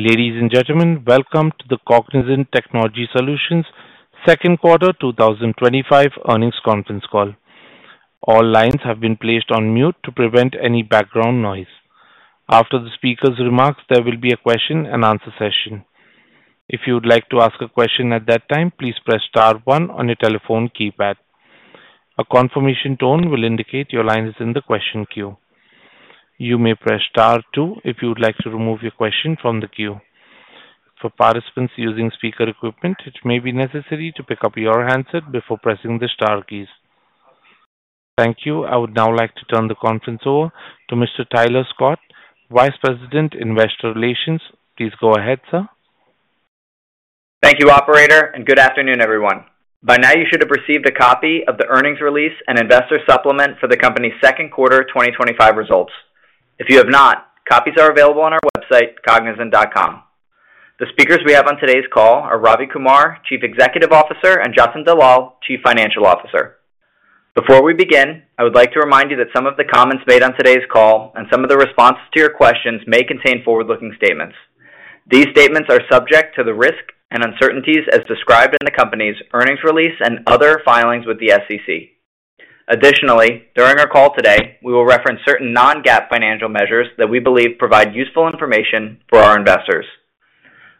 Ladies and gentlemen, welcome to the Cognizant Technology Solutions Second Quarter 2025 Earnings Conference Call. All lines have been placed on mute to prevent any background noise. After the speaker's remarks, there will be a question-and-answer session. If you would like to ask a question at that time, please press star one on your telephone keypad. A confirmation tone will indicate your line is in the question queue. You may press star two if you would like to remove your question from the queue. For participants using speaker equipment, it may be necessary to pick up your handset before pressing the star keys. Thank you. I would now like to turn the conference over to Mr. Tyler Scott, Vice President, Investor Relations. Please go ahead, sir. Thank you, Operator, and good afternoon, everyone. By now, you should have received a copy of the earnings release and investor supplement for the company's second quarter 2025 results. If you have not, copies are available on our website, cognizant.com. The speakers we have on today's call are Ravi Kumar, Chief Executive Officer, and Jatin Dalal, Chief Financial Officer. Before we begin, I would like to remind you that some of the comments made on today's call and some of the responses to your questions may contain forward-looking statements. These statements are subject to the risk and uncertainties as described in the company's earnings release and other filings with the SEC. Additionally, during our call today, we will reference certain non-GAAP financial measures that we believe provide useful information for our investors.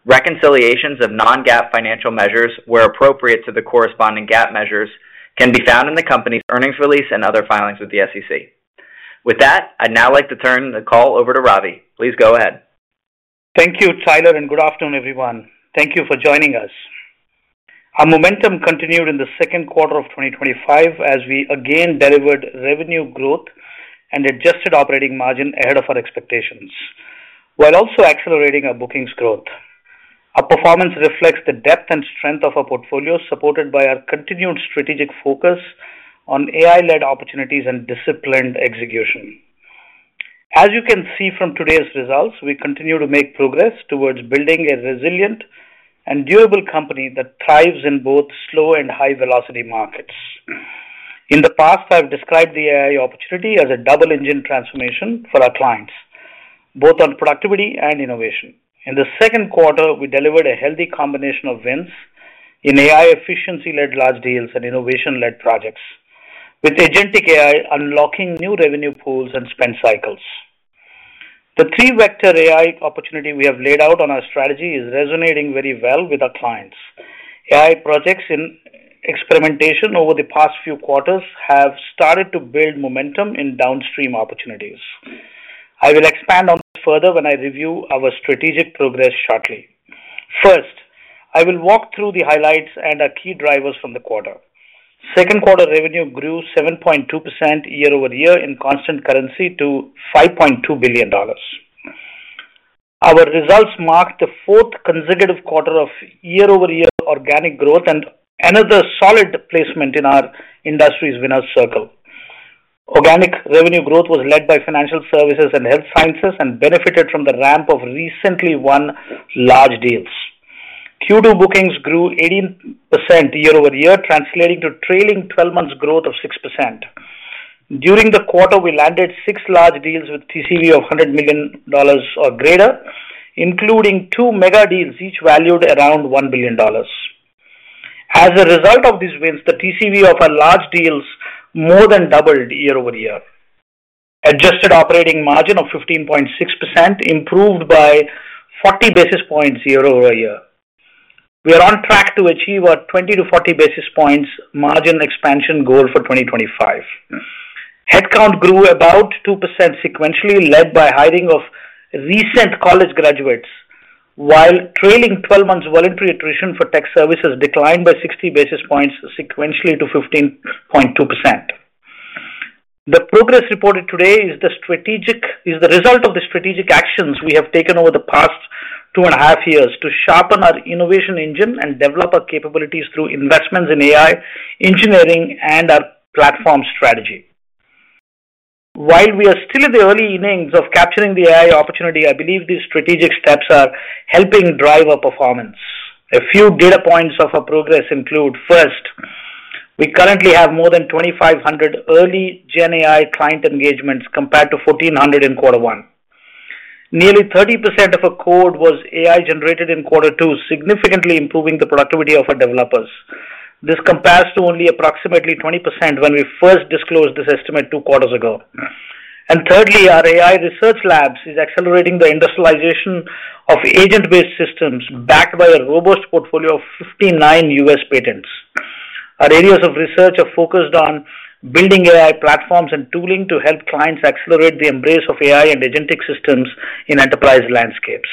Reconciliations of non-GAAP financial measures, where appropriate to the corresponding GAAP measures, can be found in the company's earnings release and other filings with the SEC. With that, I'd now like to turn the call over to Ravi. Please go ahead. Thank you, Tyler, and good afternoon, everyone. Thank you for joining us. Our momentum continued in the second quarter of 2025 as we again delivered revenue growth and adjusted operating margin ahead of our expectations, while also accelerating our bookings growth. Our performance reflects the depth and strength of our portfolio, supported by our continued strategic focus on AI-led opportunities and disciplined execution. As you can see from today's results, we continue to make progress towards building a resilient and durable company that thrives in both slow and high-velocity markets. In the past, I've described the AI opportunity as a double-engine transformation for our clients, both on productivity and innovation. In the second quarter, we delivered a healthy combination of wins in AI efficiency-led large deals and innovation-led projects, with Agentic AI unlocking new revenue pools and spend cycles. The 3-Vector AI opportunity we have laid out in our strategy is resonating very well with our clients. AI projects in experimentation over the past few quarters have started to build momentum in downstream opportunities. I will expand on further when I review our strategic progress shortly. First, I will walk through the highlights and our key drivers from the quarter. Second quarter revenue grew 7.2% year-over-year in constant currency to $5.2 billion. Our results marked the fourth consecutive quarter of year-over-year organic growth and another solid placement in our industry's Winner's Circle. Organic revenue growth was led by Financial Services and Health Sciences and benefited from the ramp of recently won large deals. Q2 bookings grew 18% year-over-year, translating to trailing 12 months' growth of 6%. During the quarter, we landed six large deals with a TCV of $100 million or greater, including two mega deals, each valued around $1 billion. As a result of these wins, the TCV of our large deals more than doubled year-over-year. Adjusted operating margin of 15.6% improved by 40 basis points year-over-year. We are on track to achieve our 20 basis points-40 basis points margin expansion goal for 2025. Headcount grew about 2% sequentially, led by the hiring of recent college graduates, while trailing 12 months' voluntary attrition for tech services declined by 60 basis points sequentially to 15.2%. The progress reported today is the result of the strategic actions we have taken over the past two and a half years to sharpen our innovation engine and develop our capabilities through investments in AI engineering and our platform strategy. While we are still in the early innings of capturing the AI opportunity, I believe these strategic steps are helping drive our performance. A few data points of our progress include: first, we currently have more than 2,500 early GenAI client engagements compared to 1,400 in quarter one. Nearly 30% of our code was AI-generated in quarter two, significantly improving the productivity of our developers. This compares to only approximately 20% when we first disclosed this estimate two quarters ago. Thirdly, our AI research labs are accelerating the industrialization of agent-based systems, backed by a robust portfolio of 59 U.S. patents. Our areas of research are focused on building AI platforms and tooling to help clients accelerate the embrace of AI and agentic systems in enterprise landscapes.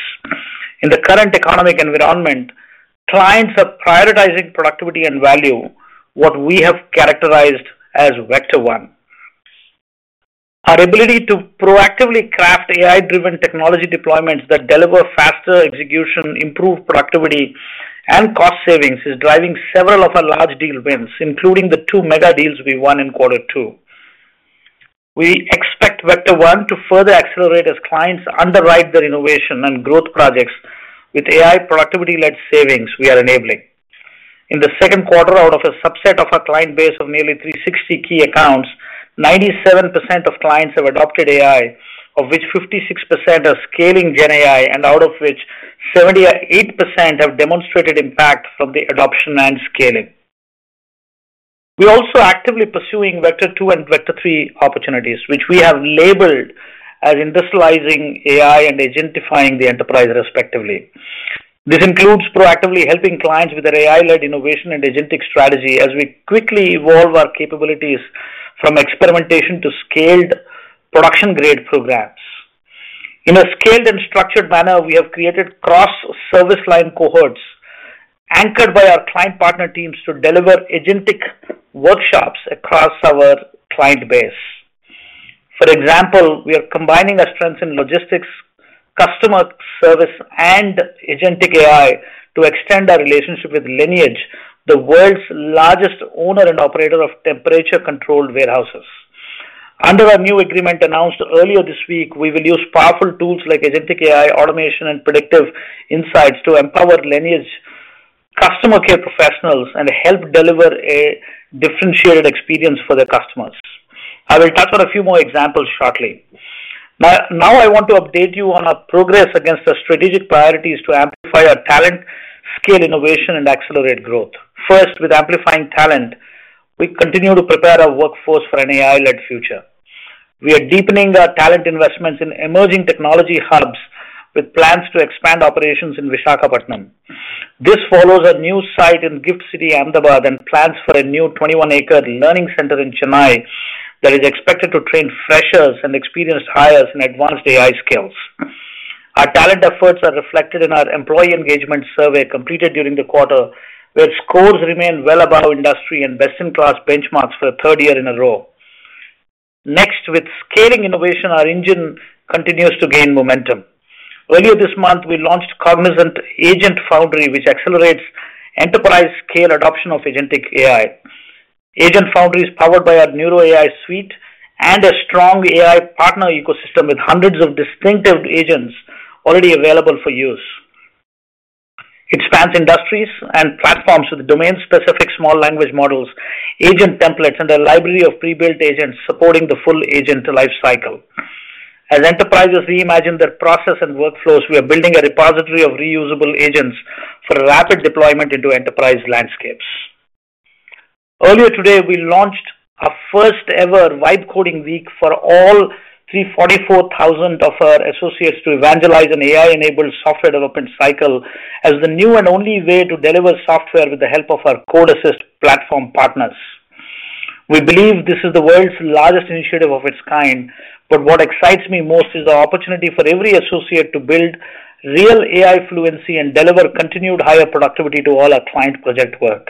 In the current economic environment, clients are prioritizing productivity and value, what we have characterized as Vector 1. Our ability to proactively craft AI-driven technology deployments that deliver faster execution, improved productivity, and cost savings is driving several of our large deal wins, including the two mega deals we won in quarter two. We expect Vector 1 to further accelerate as clients underwrite their innovation and growth projects with AI productivity-led savings we are enabling. In the second quarter, out of a subset of our client base of nearly 360 key accounts, 97% of clients have adopted AI, of which 56% are scaling GenAI, and out of which 78% have demonstrated impact from the adoption and scaling. We are also actively pursuing Vector 2 and Vector 3 opportunities, which we have labeled as industrializing AI and agentifying the enterprise, respectively. This includes proactively helping clients with their AI-led innovation and agentic strategy as we quickly evolve our capabilities from experimentation to scaled production-grade programs. In a scaled and structured manner, we have created cross-service line cohorts anchored by our client partner teams to deliver agentic workshops across our client base. For example, we are combining our strengths in logistics, customer service, and Agentic AI to extend our relationship with Lineage, the world's largest owner and operator of temperature-controlled warehouses. Under our new agreement announced earlier this week, we will use powerful tools like Agentic AI automation and predictive insights to empower Lineage customer care professionals and help deliver a differentiated experience for their customers. I will touch on a few more examples shortly. Now, I want to update you on our progress against our strategic priorities to amplify our talent, scale innovation, and accelerate growth. First, with amplifying talent, we continue to prepare our workforce for an AI-led future. We are deepening our talent investments in emerging technology hubs with plans to expand operations in Visakhapatnam. This follows a new site in GIFT City, Ahmedabad, and plans for a new 21-acre learning center in Chennai that is expected to train freshers and experienced hires in advanced AI skills. Our talent efforts are reflected in our employee engagement survey completed during the quarter, where scores remain well above industry and best-in-class benchmarks for the third year in a row. Next, with scaling innovation, our engine continues to gain momentum. Earlier this month, we launched Cognizant Agent Foundry, which accelerates enterprise-scale adoption of Agentic AI. Agent Foundry is powered by our Neuro AI suite and a strong AI Partner Ecosystem with hundreds of distinctive agents already available for use. It spans industries and platforms with domain-specific small language models, agent templates, and a library of pre-built agents supporting the full agent lifecycle. As enterprises reimagine their process and workflows, we are building a repository of reusable agents for rapid deployment into enterprise landscapes. Earlier today, we launched our first-ever Vibe Coding Week for all 344,000 of our associates to evangelize an AI-enabled software development cycle as the new and only way to deliver software with the help of our Code Assist platform partners. We believe this is the world's largest initiative of its kind, but what excites me most is the opportunity for every associate to build real AI fluency and deliver continued higher productivity to all our clients' project work.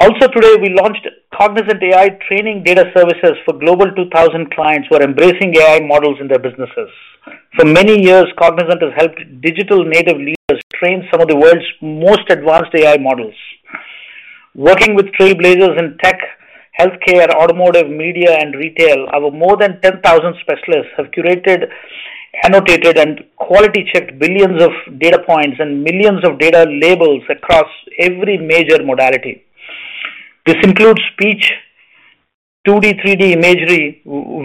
Also today, we launched Cognizant AI Training Data Services for Global 2000 clients who are embracing AI models in their businesses. For many years, Cognizant has helped digital-native leaders train some of the world's most advanced AI models. Working with trailblazers in tech, healthcare, automotive, media, and retail, our more than 10,000 specialists have curated, annotated, and quality-checked billions of data points and millions of data labels across every major modality. This includes speech, 2D, 3D imagery,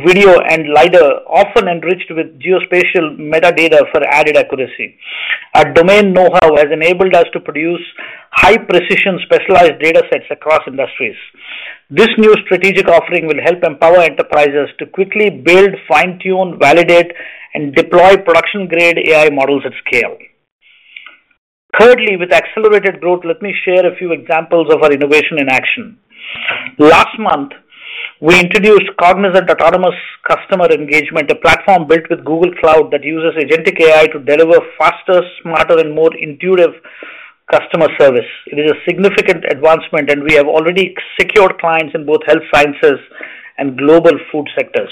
video, and LiDAR, often enriched with Geospatial metadata for added accuracy. Our domain know-how has enabled us to produce high-precision specialized data sets across industries. This new strategic offering will help empower enterprises to quickly build, fine-tune, validate, and deploy production-grade AI models at scale. Thirdly, with accelerated growth, let me share a few examples of our innovation in action. Last month, we introduced Cognizant Autonomous Customer Engagement, a platform built with Google Cloud that uses Agentic AI to deliver faster, smarter, and more intuitive customer service. It is a significant advancement, and we have already secured clients in both Health Sciences and global food sectors.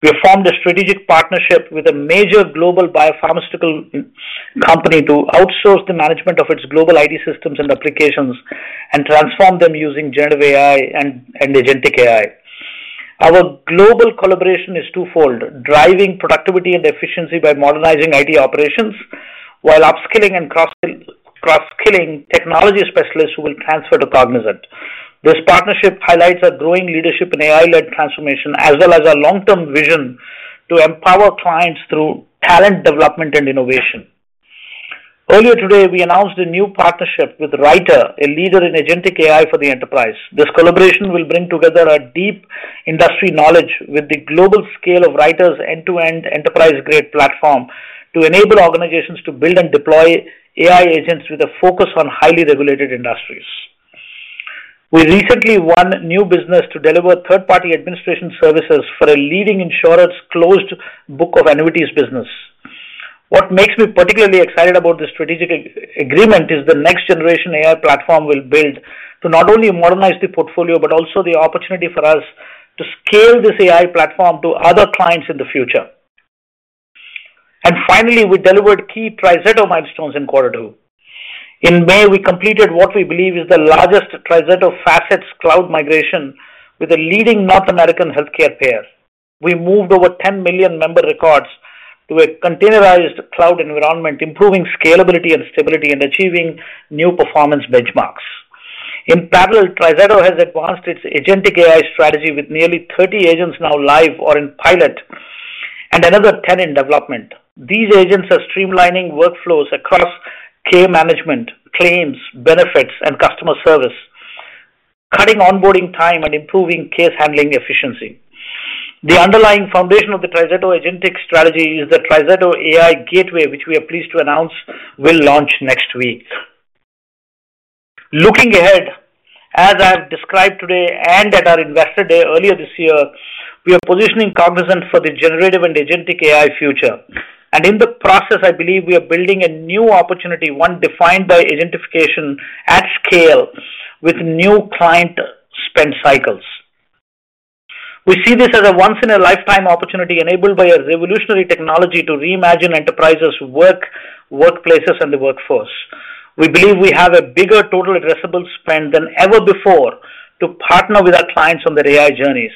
We have formed a strategic partnership with a major global biopharmaceutical company to outsource the management of its global IT systems and applications and transform them using Generative AI and Agentic AI. Our global collaboration is twofold: driving productivity and efficiency by modernizing IT operations while upskilling and cross-skilling technology specialists who will transfer to Cognizant. This partnership highlights our growing leadership in AI-led transformation as well as our long-term vision to empower clients through talent development and innovation. Earlier today, we announced a new partnership with WRITER, a leader in Agentic AI for the enterprise. This collaboration will bring together our deep industry knowledge with the global scale of WRITER's end-to-end enterprise-grade platform to enable organizations to build and deploy AI agents with a focus on highly regulated industries. We recently won new business to deliver third-party administration services for a leading insurer's closed book of annuities business. What makes me particularly excited about this strategic agreement is the next-generation AI platform we'll build to not only modernize the portfolio but also the opportunity for us to scale this AI platform to other clients in the future. Finally, we delivered key TriZetto milestones in quarter two. In May, we completed what we believe is the largest TriZetto Facets cloud migration with a leading North American healthcare payer. We moved over 10 million member records to a containerized cloud environment, improving scalability and stability and achieving new performance benchmarks. In parallel, TriZetto has advanced its Agentic AI strategy with nearly 30 agents now live or in pilot and another 10 in development. These agents are streamlining workflows across care management, claims, benefits, and customer service, cutting onboarding time and improving case handling efficiency. The underlying foundation of the TriZetto agentic strategy is the TriZetto AI Gateway, which we are pleased to announce will launch next week. Looking ahead, as I've described today and at our Investor Day earlier this year, we are positioning Cognizant for the Generative and Agentic AI future. In the process, I believe we are building a new opportunity, one defined by agentification at scale with new client spend cycles. We see this as a once-in-a-lifetime opportunity enabled by a revolutionary technology to reimagine enterprises' work, workplaces, and the workforce. We believe we have a bigger total addressable spend than ever before to partner with our clients on their AI journeys.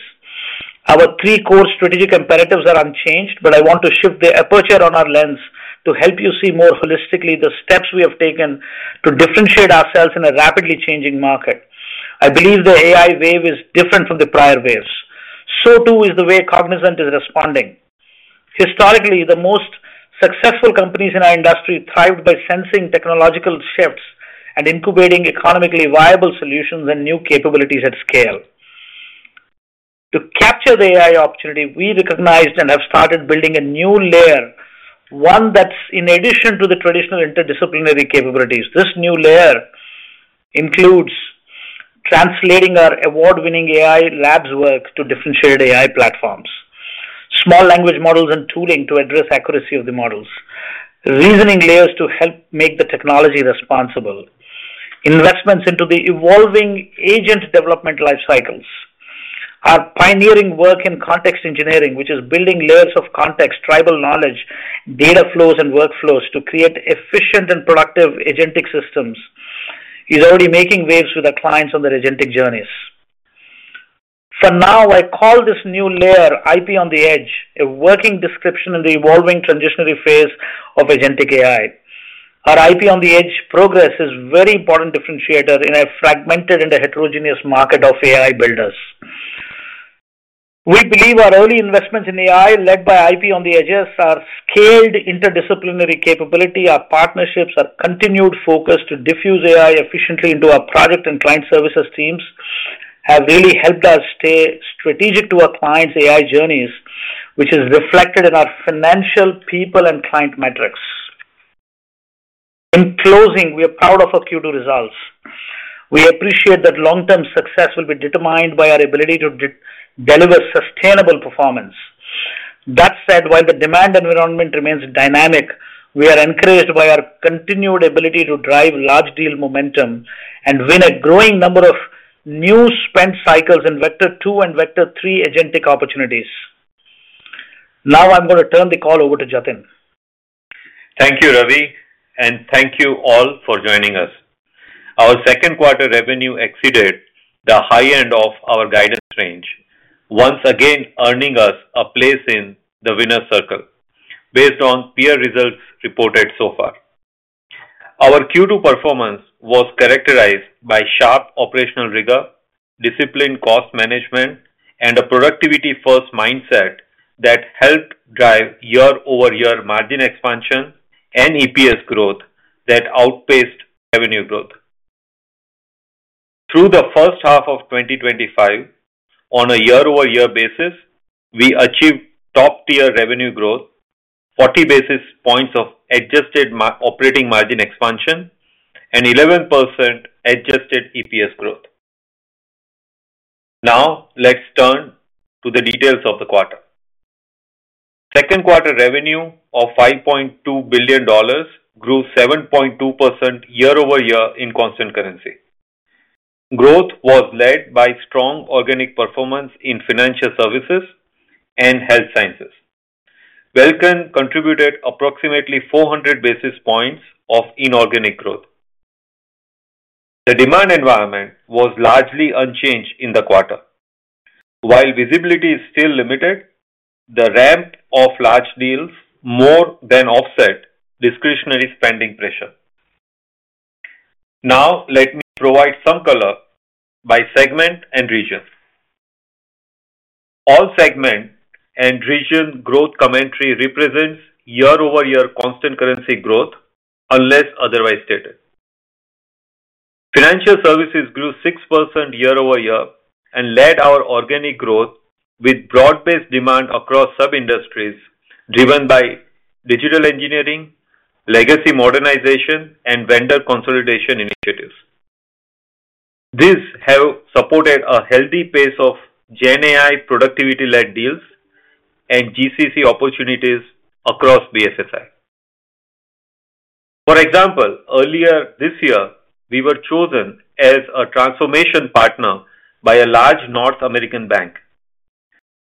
Our three core strategic imperatives are unchanged, but I want to shift the aperture on our lens to help you see more holistically the steps we have taken to differentiate ourselves in a rapidly changing market. I believe the AI wave is different from the prior waves. The way Cognizant is responding is different as well. Historically, the most successful companies in our industry thrived by sensing technological shifts and incubating economically viable solutions and new capabilities at scale. To capture the AI opportunity, we recognized and have started building a new layer, one that's in addition to the traditional interdisciplinary capabilities. This new layer includes translating our award-winning AI labs work to differentiated AI platforms, small language models and tooling to address accuracy of the models, reasoning layers to help make the technology responsible, and investments into the evolving agent development life cycles. Our pioneering work in context engineering, which is building layers of context, tribal knowledge, data flows, and workflows to create efficient and productive agentic systems, is already making waves with our clients on their agentic journeys. I call this new layer IP on the edge, a working description in the evolving transitionary phase of Agentic AI. Our IP on the edge progress is a very important differentiator in a fragmented and a heterogeneous market of AI builders. We believe our early investments in AI led by IP on the edge are scaled interdisciplinary capability. Our partnerships, our continued focus to diffuse AI efficiently into our product and client services teams have really helped us stay strategic to our clients' AI journeys, which is reflected in our financial, people, and client metrics. In closing, we are proud of our Q2 results. We appreciate that long-term success will be determined by our ability to deliver sustainable performance. That said, while the demand environment remains dynamic, we are encouraged by our continued ability to drive large deal momentum and win a growing number of new spend cycles in Vector 2 and Vector 3 agentic opportunities. Now I'm going to turn the call over to Jatin. Thank you, Ravi, and thank you all for joining us. Our second-quarter revenue exceeded the high end of our guidance range, once again earning us a place in the Winner's Circle based on peer results reported so far. Our Q2 performance was characterized by sharp operational rigor, disciplined cost management, and a productivity-first mindset that helped drive year-over-year margin expansion and EPS growth that outpaced revenue growth. Through the first half of 2025, on a year-over-year basis, we achieved top-tier revenue growth, 40 basis points of adjusted operating margin expansion, and 11% adjusted EPS growth. Now let's turn to the details of the quarter. Second-quarter revenue of $5.2 billion grew 7.2% year-over-year in constant currency. Growth was led by strong organic performance in Financial Services and Health Sciences. Belcan contributed approximately 400 basis points of inorganic growth. The demand environment was largely unchanged in the quarter. While visibility is still limited, the ramp of large deals more than offset discretionary spending pressure. Now let me provide some color by segment and region. All segment and region growth commentary represents year-over-year constant currency growth, unless otherwise stated. Financial Services grew 6% year-over-year and led our organic growth with broad-based demand across sub-industries driven by digital engineering, legacy modernization, and vendor consolidation initiatives. This has supported a healthy pace of GenAI productivity-led deals and GCC opportunities across BFSI. For example, earlier this year, we were chosen as a transformation partner by a large North American bank.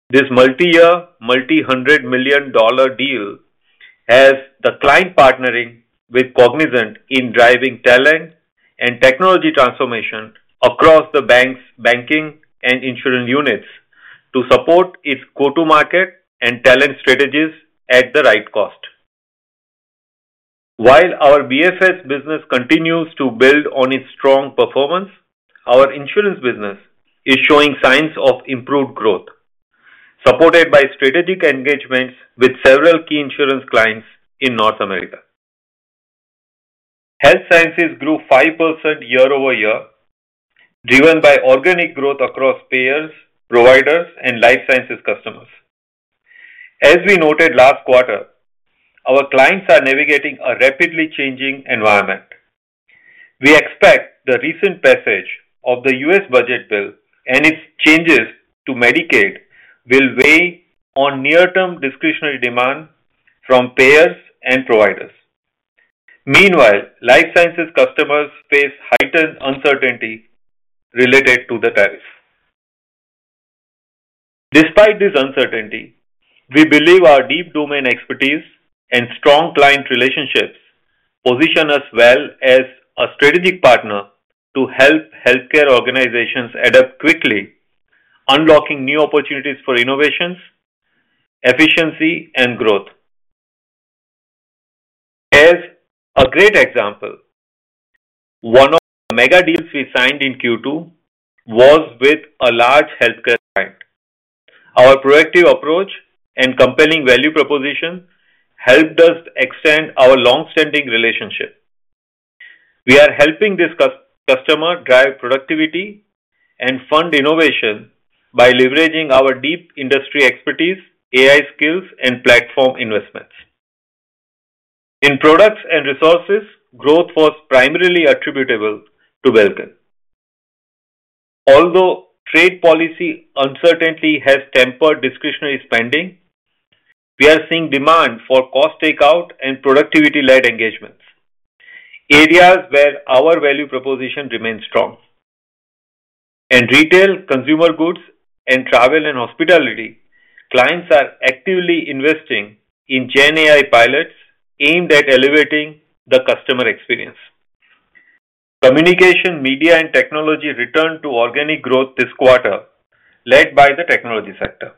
This multi-year, multi-hundred million dollar deal has the client partnering with Cognizant in driving talent and technology transformation across the bank's banking and insurance units to support its go-to-market and talent strategies at the right cost. While our BFS business continues to build on its strong performance, our insurance business is showing signs of improved growth, supported by strategic engagements with several key insurance clients in North America. Health Sciences grew 5% year-over-year, driven by organic growth across payers, providers, and Life Sciences customers. As we noted last quarter, our clients are navigating a rapidly changing environment. We expect the recent passage of the U.S. Budget Bill and its changes to Medicaid will weigh on near-term discretionary demand from payers and providers. Meanwhile, Life Sciences customers face heightened uncertainty related to the tariffs. Despite this uncertainty, we believe our deep domain expertise and strong client relationships position us well as a strategic partner to help healthcare organizations adapt quickly, unlocking new opportunities for innovations, efficiency, and growth. As a great example, one of the mega deals we signed in Q2 was with a large healthcare client. Our proactive approach and compelling value proposition helped us extend our long-standing relationship. We are helping this customer drive productivity and fund innovation by leveraging our deep industry expertise, AI skills, and platform investments. In Products and Resources, growth was primarily attributable to Belcan. Although trade policy uncertainty has tempered discretionary spending, we are seeing demand for cost takeout and productivity-led engagements, areas where our value proposition remains strong. In retail, consumer goods, and travel and hospitality, clients are actively investing in GenAI pilots aimed at elevating the customer experience. Communication, Media, and Technology returned to organic growth this quarter, led by the technology sector.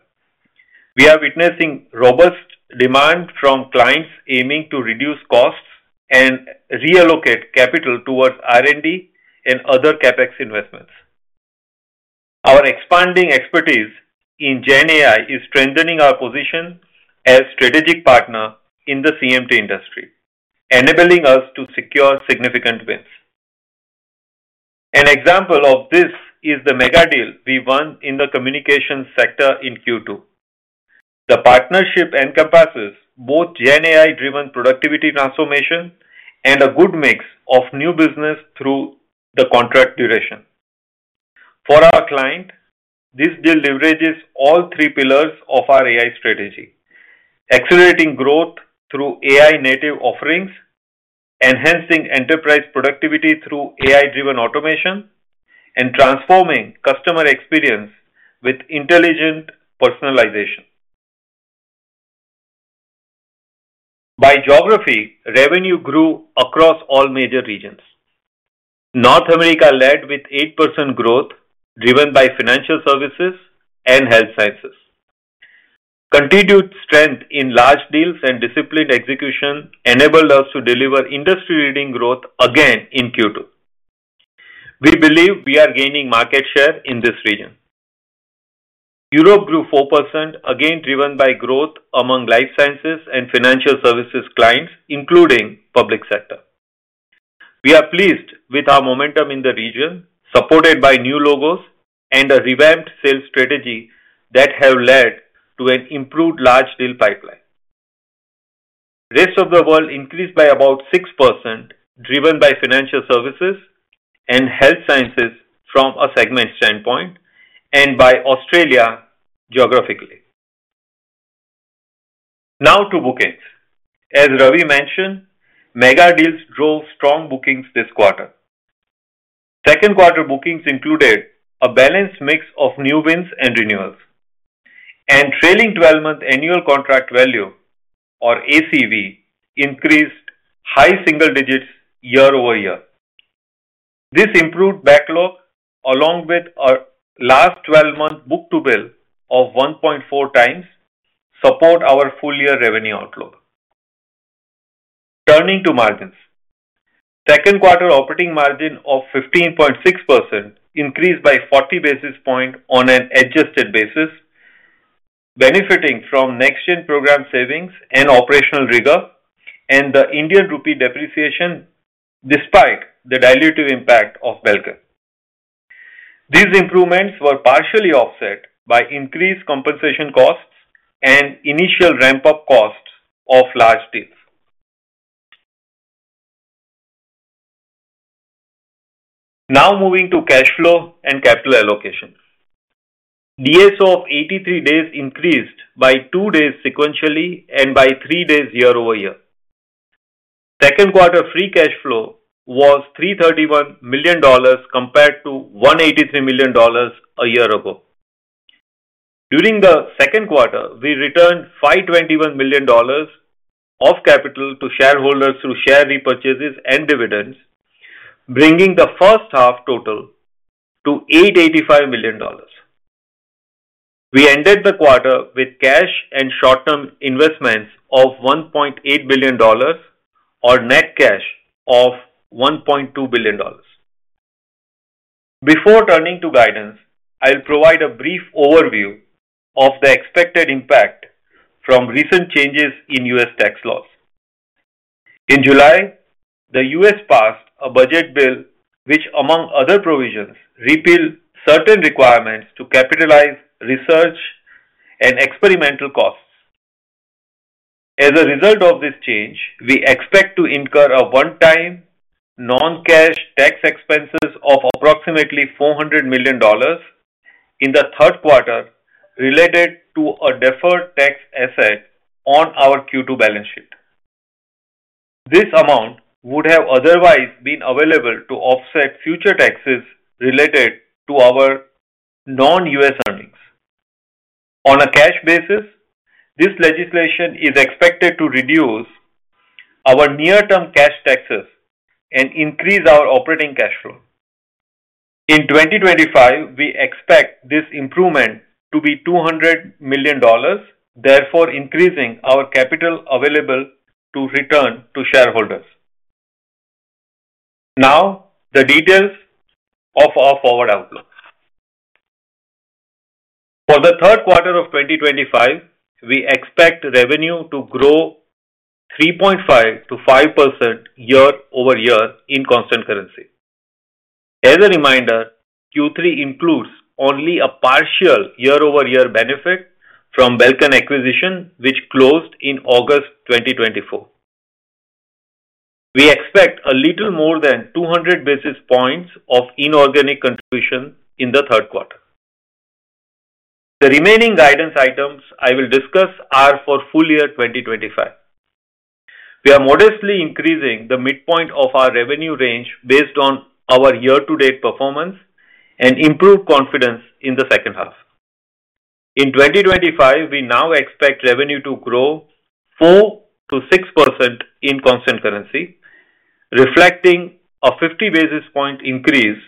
We are witnessing robust demand from clients aiming to reduce costs and reallocate capital towards R&D and other CapEx investments. Our expanding expertise in GenAI is strengthening our position as a strategic partner in the CMT industry, enabling us to secure significant wins. An example of this is the mega deal we won in the Communications Sector in Q2. The partnership encompasses both GenAI-driven productivity transformation and a good mix of new business through the contract duration. For our client, this deal leverages all three pillars of our AI strategy: accelerating growth through AI-native offerings, enhancing enterprise productivity through AI-driven automation, and transforming customer experience with intelligent personalization. By geography, revenue grew across all major regions. North America led with 8% growth driven by Financial Services and Health Sciences. Continued strength in large deals and disciplined execution enabled us to deliver industry-leading growth again in Q2. We believe we are gaining market share in this region. Europe grew 4%, again driven by growth among Life Sciences and Financial Services clients, including the public sector. We are pleased with our momentum in the region, supported by new logos and a revamped sales strategy that has led to an improved large deal pipeline. Rest of the world increased by about 6%, driven by Financial Services and Health Sciences from a segment standpoint and by Australia geographically. Now to bookings. As Ravi mentioned, mega deals drove strong bookings this quarter. Second-quarter bookings included a balanced mix of new wins and renewals. Trailing 12-month annual contract value, or ACV, increased high single digits year-over-year. This improved backlog, along with our last 12-month book-to-bill of 1.4x, supports our full-year revenue outlook. Turning to margins. Second-quarter operating margin of 15.6% increased by 40 basis points on an adjusted basis, benefiting from Next-gen program savings and operational rigor and the Indian rupee depreciation despite the dilutive impact of Belcan. These improvements were partially offset by increased compensation costs and initial ramp-up costs of large deals. Now moving to cash flow and capital allocation. DSO of 83 days increased by two days sequentially and by three days year-over-year. Second-quarter free cash flow was $331 million compared to $183 million a year ago. During the second quarter, we returned $521 million of capital to shareholders through share repurchases and dividends, bringing the first half total to $885 million. We ended the quarter with cash and short-term investments of $1.8 billion, or net cash of $1.2 billion. Before turning to guidance, I'll provide a brief overview of the expected impact from recent changes in U.S. tax laws. In July, the U.S. passed a budget bill which, among other provisions, repealed certain requirements to capitalize research and experimental costs. As a result of this change, we expect to incur a one-time non-cash tax expense of approximately $400 million in the third quarter, related to a deferred tax asset on our Q2 balance sheet. This amount would have otherwise been available to offset future taxes related to our non-U.S. earnings. On a cash basis, this legislation is expected to reduce our near-term cash taxes and increase our operating cash flow. In 2025, we expect this improvement to be $200 million, therefore increasing our capital available to return to shareholders. Now the details of our forward outlook. For the third quarter of 2025, we expect revenue to grow 3.5% to 5% year-over-year in constant currency. As a reminder, Q3 includes only a partial year-over-year benefit from the Belcan acquisition, which closed in August 2024. We expect a little more than 200 basis points of inorganic contribution in the third quarter. The remaining guidance items I will discuss are for full year 2025. We are modestly increasing the midpoint of our revenue range based on our year-to-date performance and improved confidence in the second half. In 2025, we now expect revenue to grow 4% to 6% in constant currency, reflecting a 50 basis point increase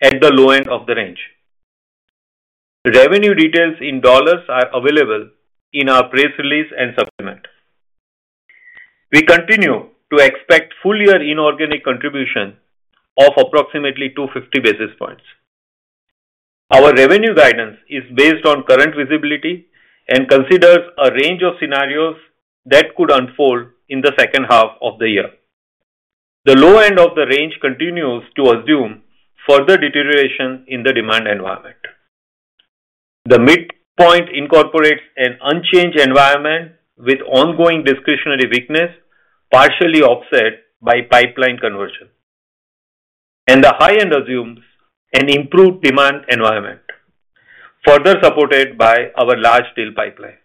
at the low end of the range. Revenue details in dollars are available in our press release and supplement. We continue to expect full-year inorganic contribution of approximately 250 basis points. Our revenue guidance is based on current visibility and considers a range of scenarios that could unfold in the second half of the year. The low end of the range continues to assume further deterioration in the demand environment. The midpoint incorporates an unchanged environment with ongoing discretionary weakness, partially offset by pipeline conversion, and the high end assumes an improved demand environment, further supported by our large deal pipeline.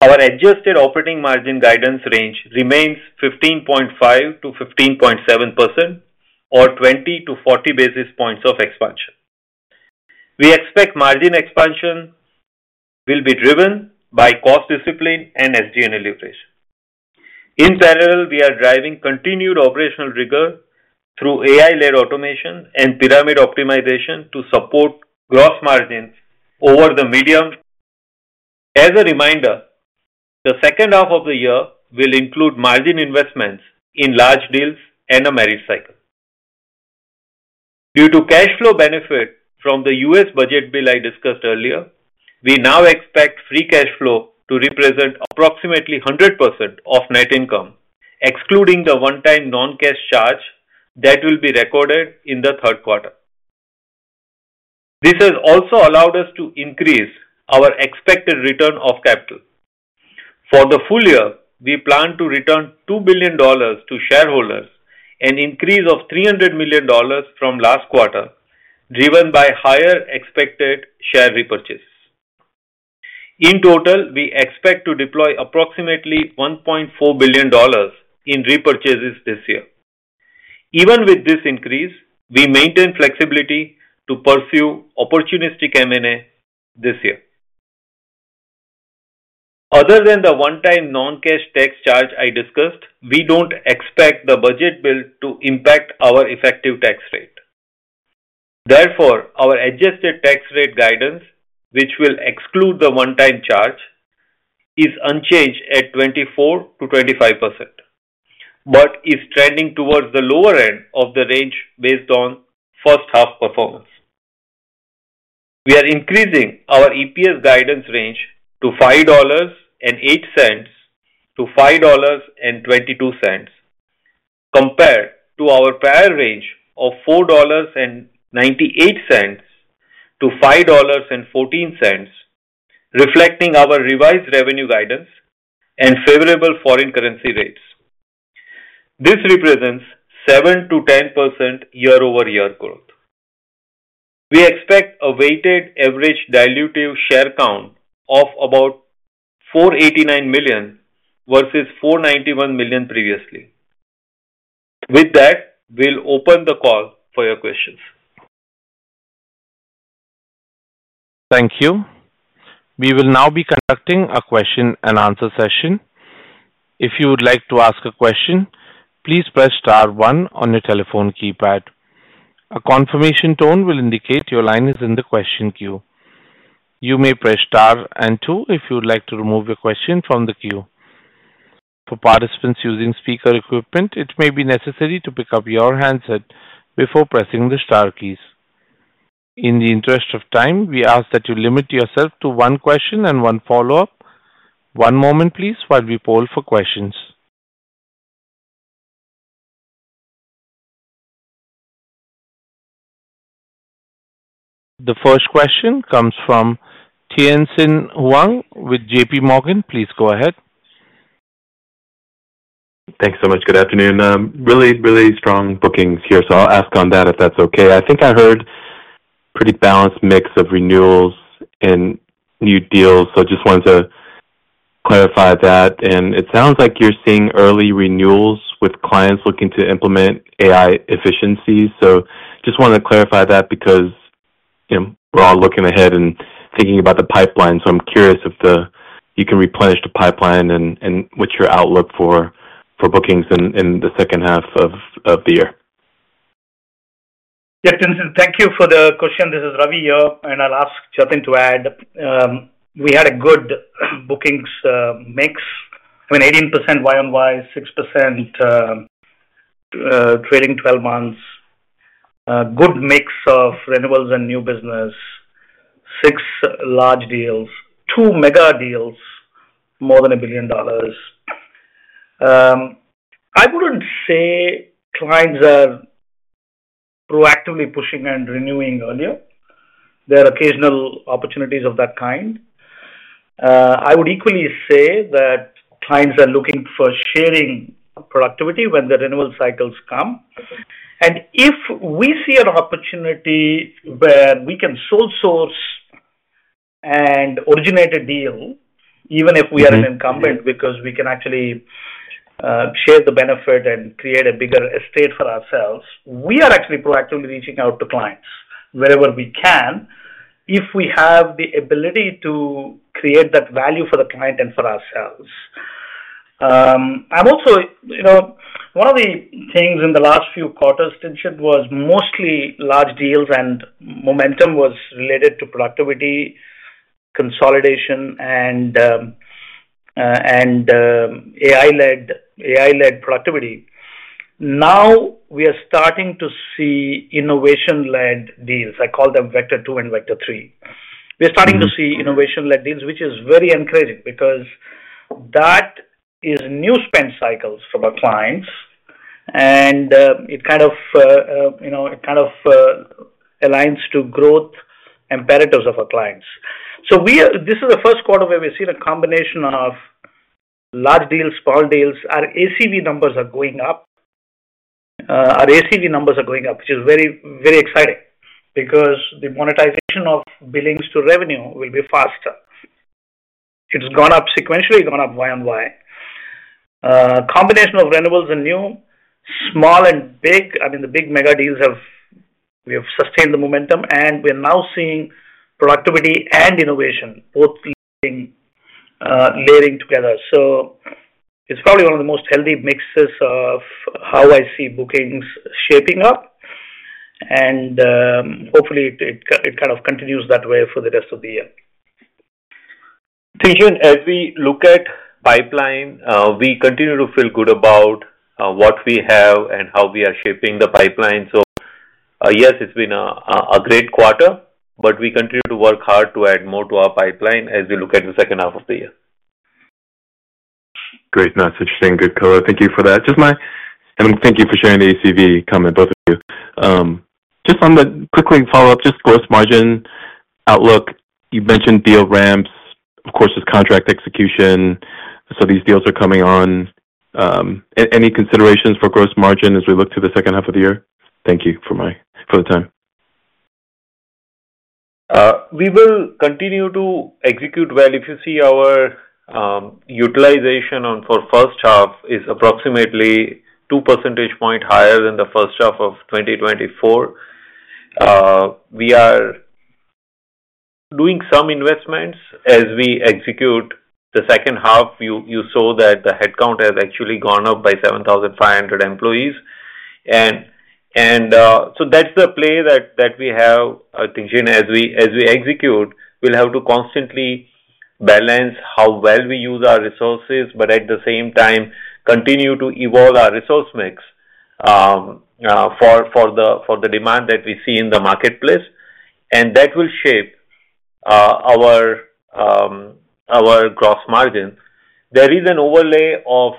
Our adjusted operating margin guidance range remains 15.5%-15.7%, or 20 basis points-40 basis points of expansion. We expect margin expansion will be driven by cost discipline and SG&A operation. In parallel, we are driving continued operational rigor through AI-led automation and pyramid optimization to support gross margins over the medium. As a reminder, the second half of the year will include margin investments in large deals and a merit cycle. Due to cash flow benefit from the U.S. Budget Bill I discussed earlier, we now expect free cash flow to represent approximately 100% of net income, excluding the one-time non-cash charge that will be recorded in the third quarter. This has also allowed us to increase our expected return of capital. For the full year, we plan to return $2 billion to shareholders, an increase of $300 million from last quarter, driven by higher expected share repurchases. In total, we expect to deploy approximately $1.4 billion in repurchases this year. Even with this increase, we maintain flexibility to pursue opportunistic M&A this year. Other than the one-time non-cash tax charge I discussed, we don't expect the Budget Bill to impact our effective tax rate. Therefore, our adjusted tax rate guidance, which will exclude the one-time charge, is unchanged at 24%-25% but is trending towards the lower end of the range based on first-half performance. We are increasing our EPS guidance range to $5.08-$5.22, compared to our prior range of $4.98-$5.14, reflecting our revised revenue guidance and favorable foreign currency rates. This represents 7% to 10% year-over-year growth. We expect a weighted average dilutive share count of about 489 million versus 491 million previously. With that, we'll open the call for your questions. Thank you. We will now be conducting a question-and-answer session. If you would like to ask a question, please press star one on your telephone keypad. A confirmation tone will indicate your line is in the question queue. You may press star and two if you would like to remove your question from the queue. For participants using speaker equipment, it may be necessary to pick up your handset before pressing the star keys. In the interest of time, we ask that you limit yourself to one question and one follow-up. One moment, please, while we poll for questions. The first question comes from Tien-Tsin Huang with JPMorgan. Please go ahead. Thanks so much. Good afternoon. Really, really strong bookings here, so I'll ask on that if that's okay. I think I heard a pretty balanced mix of renewals and new deals, so I just wanted to clarify that. It sounds like you're seeing early renewals with clients looking to implement AI efficiencies. I just wanted to clarify that because we're all looking ahead and thinking about the pipeline. I'm curious if you can replenish the pipeline and what's your outlook for bookings in the second half of the year. Yes, Tien-Tsin, thank you for the question. This is Ravi here, and I'll ask Jatin to add. We had a good bookings mix, 18% YoY, 6% trailing 12 months. Good mix of renewals and new business. Six large deals, two mega deals, more than $1 billion. I wouldn't say clients are proactively pushing and renewing earlier. There are occasional opportunities of that kind. I would equally say that clients are looking for sharing productivity when the renewal cycles come. If we see an opportunity where we can sole-source and originate a deal, even if we are an incumbent because we can actually share the benefit and create a bigger estate for ourselves, we are actually proactively reaching out to clients wherever we can if we have the ability to create that value for the client and for ourselves. One of the things in the last few quarters, Tien-Tsin, was mostly large deals, and momentum was related to productivity, consolidation, and AI-led productivity. Now we are starting to see innovation-led deals. I call them Vector 2 and Vector 3. We're starting to see innovation-led deals, which is very encouraging because that is new spend cycles for our clients, and it kind of aligns to growth imperatives of our clients. This is the first quarter where we've seen a combination of large deals, small deals. Our ACV numbers are going up, which is very, very exciting because the monetization of billings to revenue will be faster. It's gone up sequentially, gone up YoY. Combination of renewals and new, small and big, the big mega deals have sustained the momentum, and we're now seeing productivity and innovation both layering together. It's probably one of the most healthy mixes of how I see bookings shaping up. Hopefully it continues that way for the rest of the year. Tien-Tsin, as we look at pipeline, we continue to feel good about what we have and how we are shaping the pipeline. It's been a great quarter, but we continue to work hard to add more to our pipeline as we look at the second half of the year. Great. No, it's interesting. Good covered. Thank you for that. Thank you for sharing the ACV comment, both of you. Just on the quickly follow-up, just gross margin outlook, you mentioned deal ramps, of course, there's contract execution, so these deals are coming on. Any considerations for gross margin as we look to the second half of the year? Thank you for the time. We will continue to execute well. If you see our utilization for first half is approximately 2 percentage points higher than the first half of 2024. We are doing some investments as we execute the second half. You saw that the headcount has actually gone up by 7,500 employees. That's the play that we have, Tien-Tsin, as we execute. We'll have to constantly balance how well we use our resources, but at the same time, continue to evolve our resource mix for the demand that we see in the marketplace, and that will shape our gross margin. There is an overlay of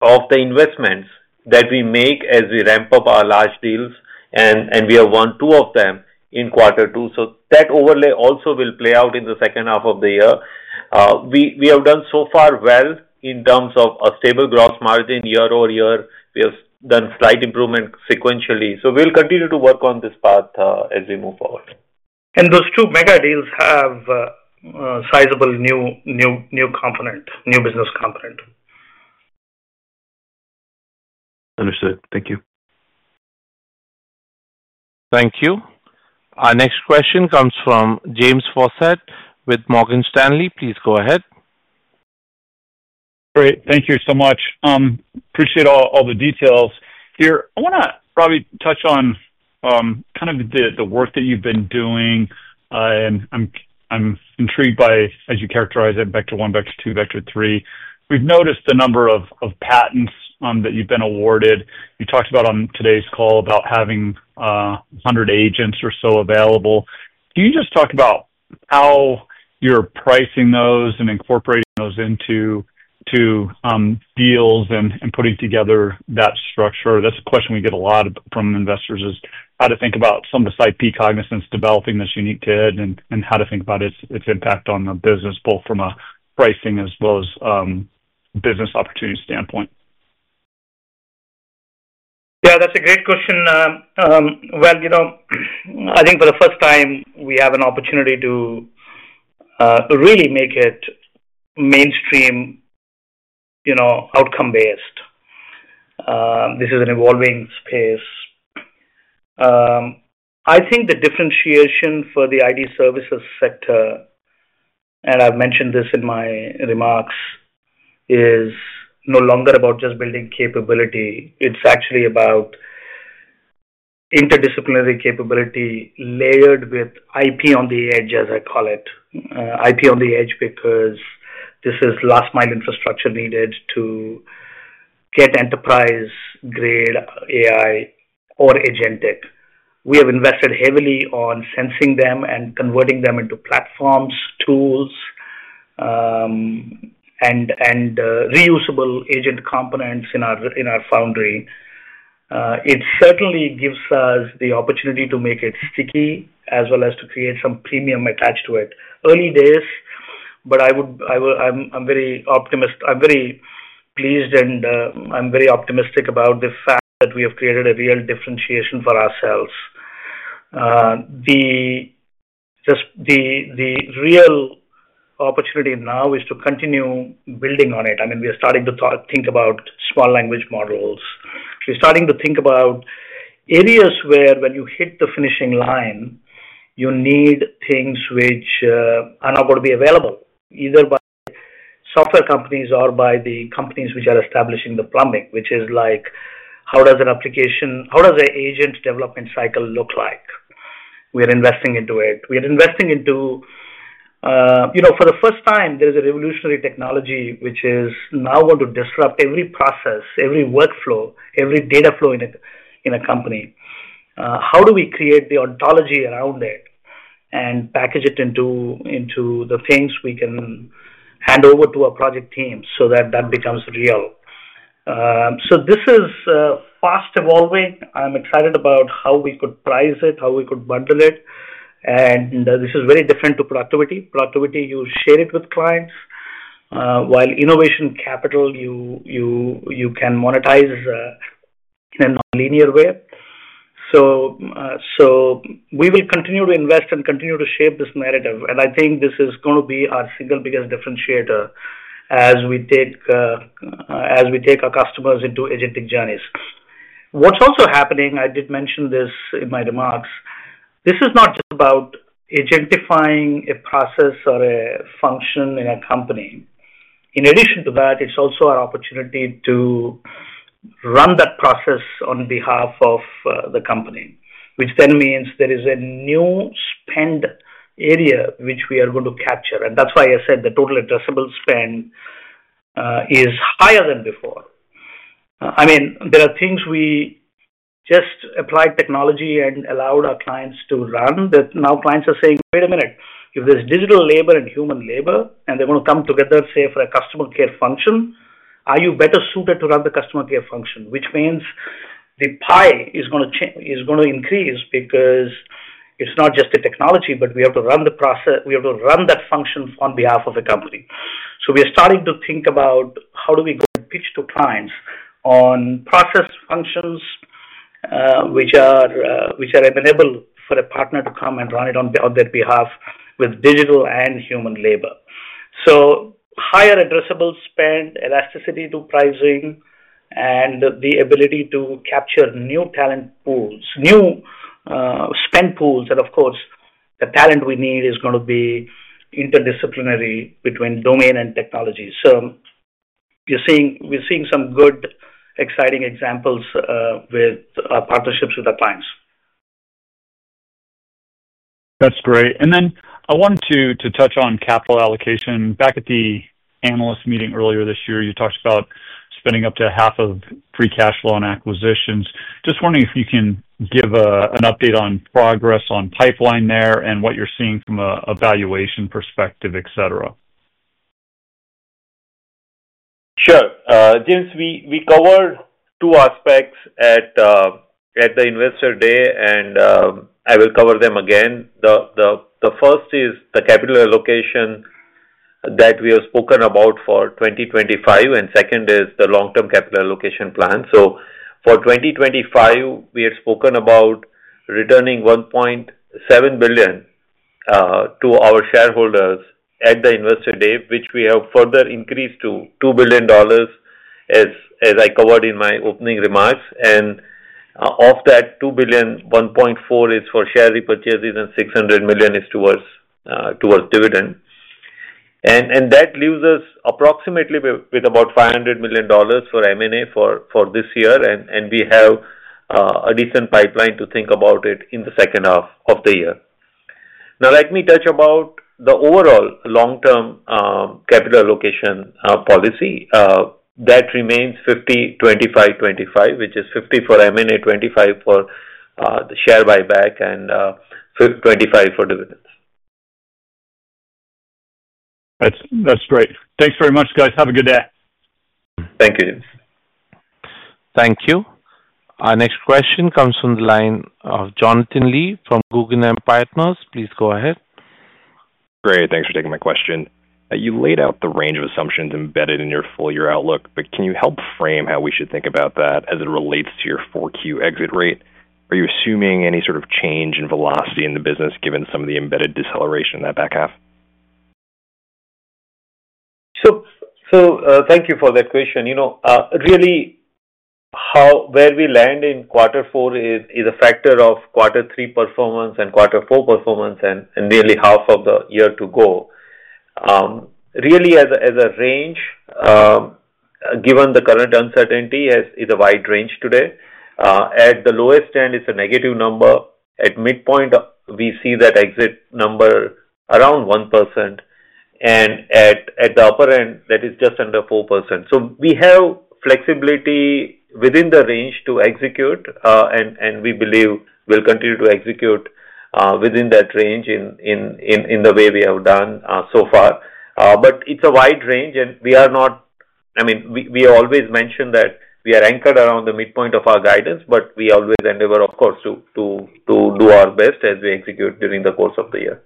the investments that we make as we ramp up our large deals, and we have won two of them in quarter two. That overlay also will play out in the second half of the year. We have done so far well in terms of a stable gross margin year-over-year. We have done slight improvement sequentially. We'll continue to work on this path as we move forward. Those two mega deals have sizable new component, new business component. Understood. Thank you. Thank you. Our next question comes from James Faucette with Morgan Stanley. Please go ahead. Great. Thank you so much. Appreciate all the details here. I want to probably touch on kind of the work that you've been doing. I'm intrigued by, as you characterize it, Vector 1, Vector 2, Vector 3. We've noticed the number of patents that you've been awarded. You talked about on today's call about having 100 agents or so available. Can you just talk about how you're pricing those and incorporating those into deals and putting together that structure? That's a question we get a lot from investors is how to think about some of the IP Cognizant's developing this unique to it and how to think about its impact on the business, both from a pricing as well as business opportunity standpoint. Yeah, that's a great question. For the first time, we have an opportunity to really make it mainstream, outcome-based. This is an evolving space. The differentiation for the IT services sector, and I've mentioned this in my remarks. It is no longer about just building capability. It's actually about interdisciplinary capability layered with IP on the edge, as I call it. IP on the edge because this is last-mile infrastructure needed to get enterprise-grade AI or Agentic. We have invested heavily on sensing them and converting them into platforms, tools, and reusable agent components in our foundry. It certainly gives us the opportunity to make it sticky as well as to create some premium attached to it. Early days, but I'm very optimistic. I'm very pleased and I'm very optimistic about the fact that we have created a real differentiation for ourselves. The real opportunity now is to continue building on it. I mean, we are starting to think about small language models. We're starting to think about areas where when you hit the finishing line, you need things which are not going to be available either by software companies or by the companies which are establishing the plumbing, which is like, how does an application, how does an agent development cycle look like? We are investing into it. We are investing into, you know, for the first time, there is a revolutionary technology which is now going to disrupt every process, every workflow, every data flow in a company. How do we create the ontology around it and package it into the things we can hand over to our project teams so that that becomes real? This is fast evolving. I'm excited about how we could price it, how we could bundle it. This is very different from productivity. Productivity, you share it with clients. While innovation capital, you can monetize in a linear way. We will continue to invest and continue to shape this narrative. I think this is going to be our single biggest differentiator as we take our customers into agentic journeys. What's also happening, I did mention this in my remarks, this is not just about agentifying a process or a function in a company. In addition to that, it's also our opportunity to run that process on behalf of the company, which then means there is a new spend area which we are going to capture. That's why I said the total addressable spend is higher than before. I mean, there are things we just applied technology and allowed our clients to run that. Now clients are saying, wait a minute, if there's digital labor and human labor and they're going to come together, say, for a customer care function, are you better suited to run the customer care function? Which means the pie is going to increase because it's not just the technology, but we have to run the process. We have to run that function on behalf of a company. We are starting to think about how do we pitch to clients on process functions, which are available for a partner to come and run it on their behalf with digital and human labor. Higher addressable spend, elasticity to pricing, and the ability to capture new talent pools, new spend pools. Of course, the talent we need is going to be interdisciplinary between domain and technology. We're seeing some good, exciting examples with our partnerships with our clients. That's great. I want to touch on capital allocation. Back at the analyst meeting earlier this year, you talked about spending up to half of free cash flow on acquisitions. Just wondering if you can give an update on progress on pipeline there and what you're seeing from a valuation perspective, et cetera. Sure. James, we covered two aspects at the Investor Day, and I will cover them again. The first is the capital allocation that we have spoken about for 2025, and second is the long-term capital allocation plan. For 2025, we have spoken about returning $1.7 billion to our shareholders at the Investor Day, which we have further increased to $2 billion, as I covered in my opening remarks. Of that $2 billion, $1.4 billion is for share repurchases and $600 million is towards dividend. That leaves us approximately with about $500 million for M&A for this year. We have a decent pipeline to think about it in the second half of the year. Now, let me touch about the overall long-term capital allocation policy. That remains 50-25-25, which is 50% for M&A, 25% for the share buyback, and 25% for dividends. That's great. Thanks very much, guys. Have a good day. Thank you. Thank you. Our next question comes from the line of Jonathan Lee from Guggenheim Partners. Please go ahead. Great. Thanks for taking my question. You laid out the range of assumptions embedded in your full year outlook, but can you help frame how we should think about that as it relates to your 4Q exit rate? Are you assuming any sort of change in velocity in the business given some of the embedded deceleration in that back half? Thank you for that question. Really, where we land in quarter four is a factor of quarter three performance and quarter four performance and nearly half of the year to go. Really, as a range. Given the current uncertainty, it's a wide range today. At the lowest end, it's a negative number. At midpoint, we see that exit number around 1%. At the upper end, that is just under 4%. We have flexibility within the range to execute, and we believe we'll continue to execute within that range in the way we have done so far. It's a wide range, and we are not, I mean, we always mention that we are anchored around the midpoint of our guidance, but we always endeavor, of course, to do our best as we execute during the course of the year.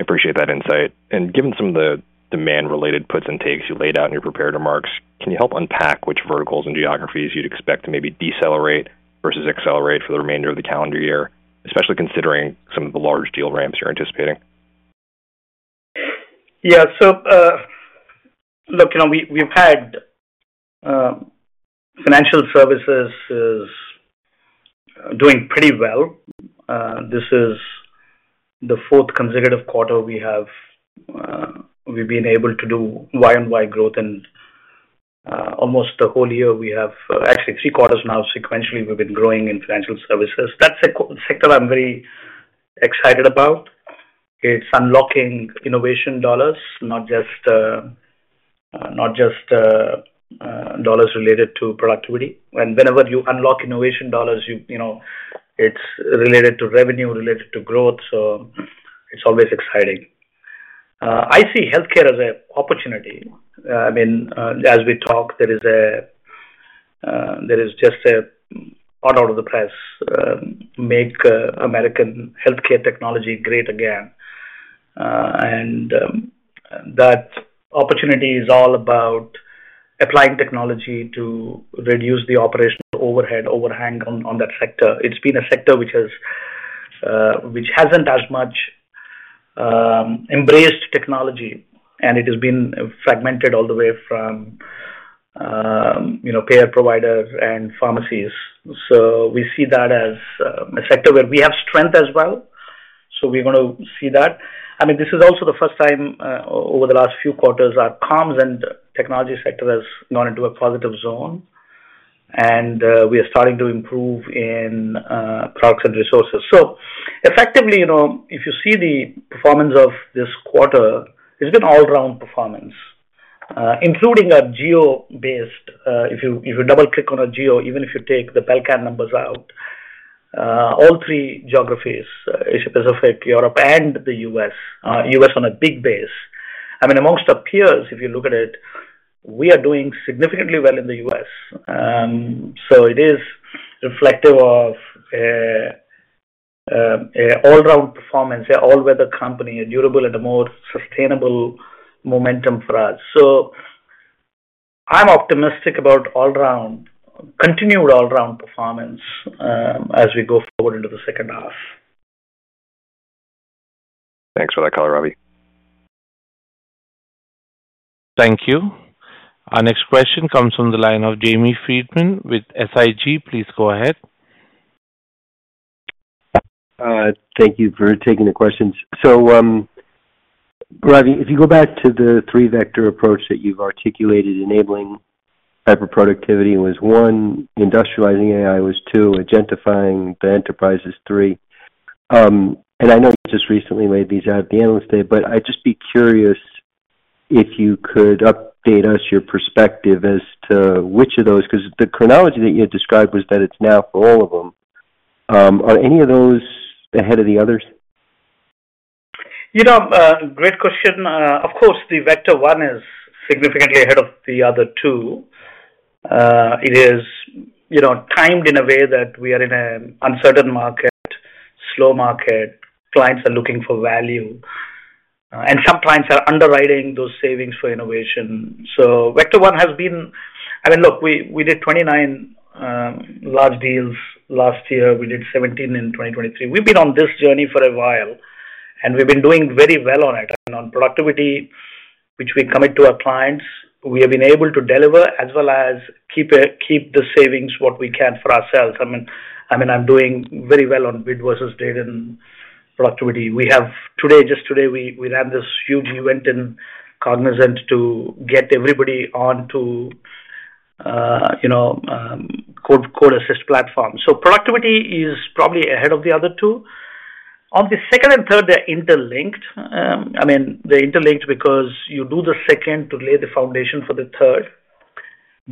I appreciate that insight. Given some of the demand-related puts and takes you laid out in your prepared remarks, can you help unpack which verticals and geographies you'd expect to maybe decelerate versus accelerate for the remainder of the calendar year, especially considering some of the large deal ramps you're anticipating? Yeah. Look, you know, we've had Financial Services doing pretty well. This is the fourth consecutive quarter we have. We've been able to do YoY growth in almost the whole year. We have actually three quarters now sequentially we've been growing in Financial Services. That's a sector I'm very excited about. It's unlocking innovation dollars, not just dollars related to productivity. Whenever you unlock innovation dollars, you know, it's related to revenue, related to growth. It's always exciting. I see healthcare as an opportunity. I mean, as we talk, there is just a hot out of the press, make American healthcare technology great again. That opportunity is all about applying technology to reduce the operational overhead, overhang on that sector. It's been a sector which hasn't as much embraced technology, and it has been fragmented all the way from payer providers and pharmacies. We see that as a sector where we have strength as well. We're going to see that. This is also the first time over the last few quarters our comms and technology sector has gone into a positive zone. We are starting to improve in products and resources. Effectively, you know, if you see the performance of this quarter, it's been an all-round performance. Including our geo-based, if you double-click on our geo, even if you take the Belcan numbers out, all three geographies, Asia-Pacific, Europe, and the U.S., U.S. on a big base. I mean, amongst our peers, if you look at it, we are doing significantly well in the U.S. It is reflective of. An all-round performance, an all-weather company, a durable and a more sustainable momentum for us. I'm optimistic about all-round, continued all-round performance as we go forward into the second half. Thanks for that call, Ravi. Thank you. Our next question comes from the line of Jamie Friedman with SIG. Please go ahead. Thank you for taking the questions. Ravi, if you go back to the 3-Vector approach that you've articulated, enabling hyper-productivity was 1, industrializing AI was 2, agentifying the enterprise is 3. I know you just recently made these at the Analyst Day, but I'd just be curious if you could update us your perspective as to which of those, because the chronology that you had described was that it's now for all of them. Are any of those ahead of the others? Great question. Of course, the Vector 1 is significantly ahead of the other two. It is timed in a way that we are in an uncertain market, slow market. Clients are looking for value. Some clients are underwriting those savings for innovation. Vector 1 has been, I mean, look, we did 29 large deals last year. We did 17 in 2023. We've been on this journey for a while, and we've been doing very well on it. On productivity, which we commit to our clients, we have been able to deliver as well as keep the savings what we can for ourselves. I'm doing very well on bid versus bid and productivity. We have today, just today, we ran this huge event in Cognizant to get everybody onto Code Assist platforms. Productivity is probably ahead of the other two. On the second and third, they're interlinked. They're interlinked because you do the second to lay the foundation for the third.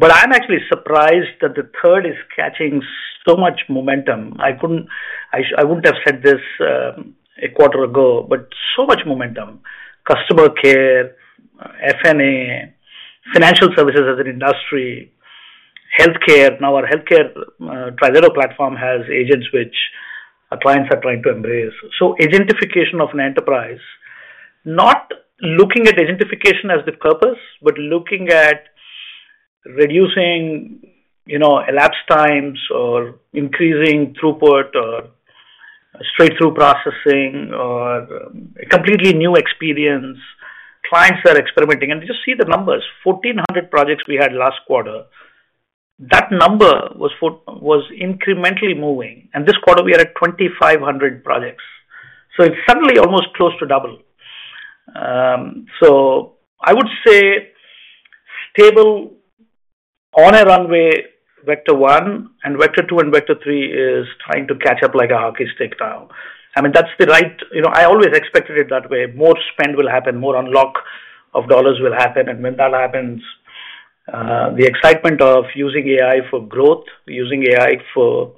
I'm actually surprised that the third is catching so much momentum. I wouldn't have said this a quarter ago, but so much momentum. Customer care, F&A, Financial Services as an industry, healthcare. Now our healthcare TriZetto platform has agents which our clients are trying to embrace. Agentification of an enterprise, not looking at agentification as the purpose, but looking at reducing elapsed times or increasing throughput or straight-through processing or a completely new experience. Clients are experimenting. Just see the numbers. 1,400 projects we had last quarter. That number was incrementally moving. This quarter, we are at 2,500 projects. It's suddenly almost close to double. I would say stable. On a runway, Vector 1 and Vector 2 and Vector 3 is trying to catch up like a hockey stick now. I mean, that's the right, you know, I always expected it that way. More spend will happen, more unlock of dollars will happen. When that happens, the excitement of using AI for growth, using AI for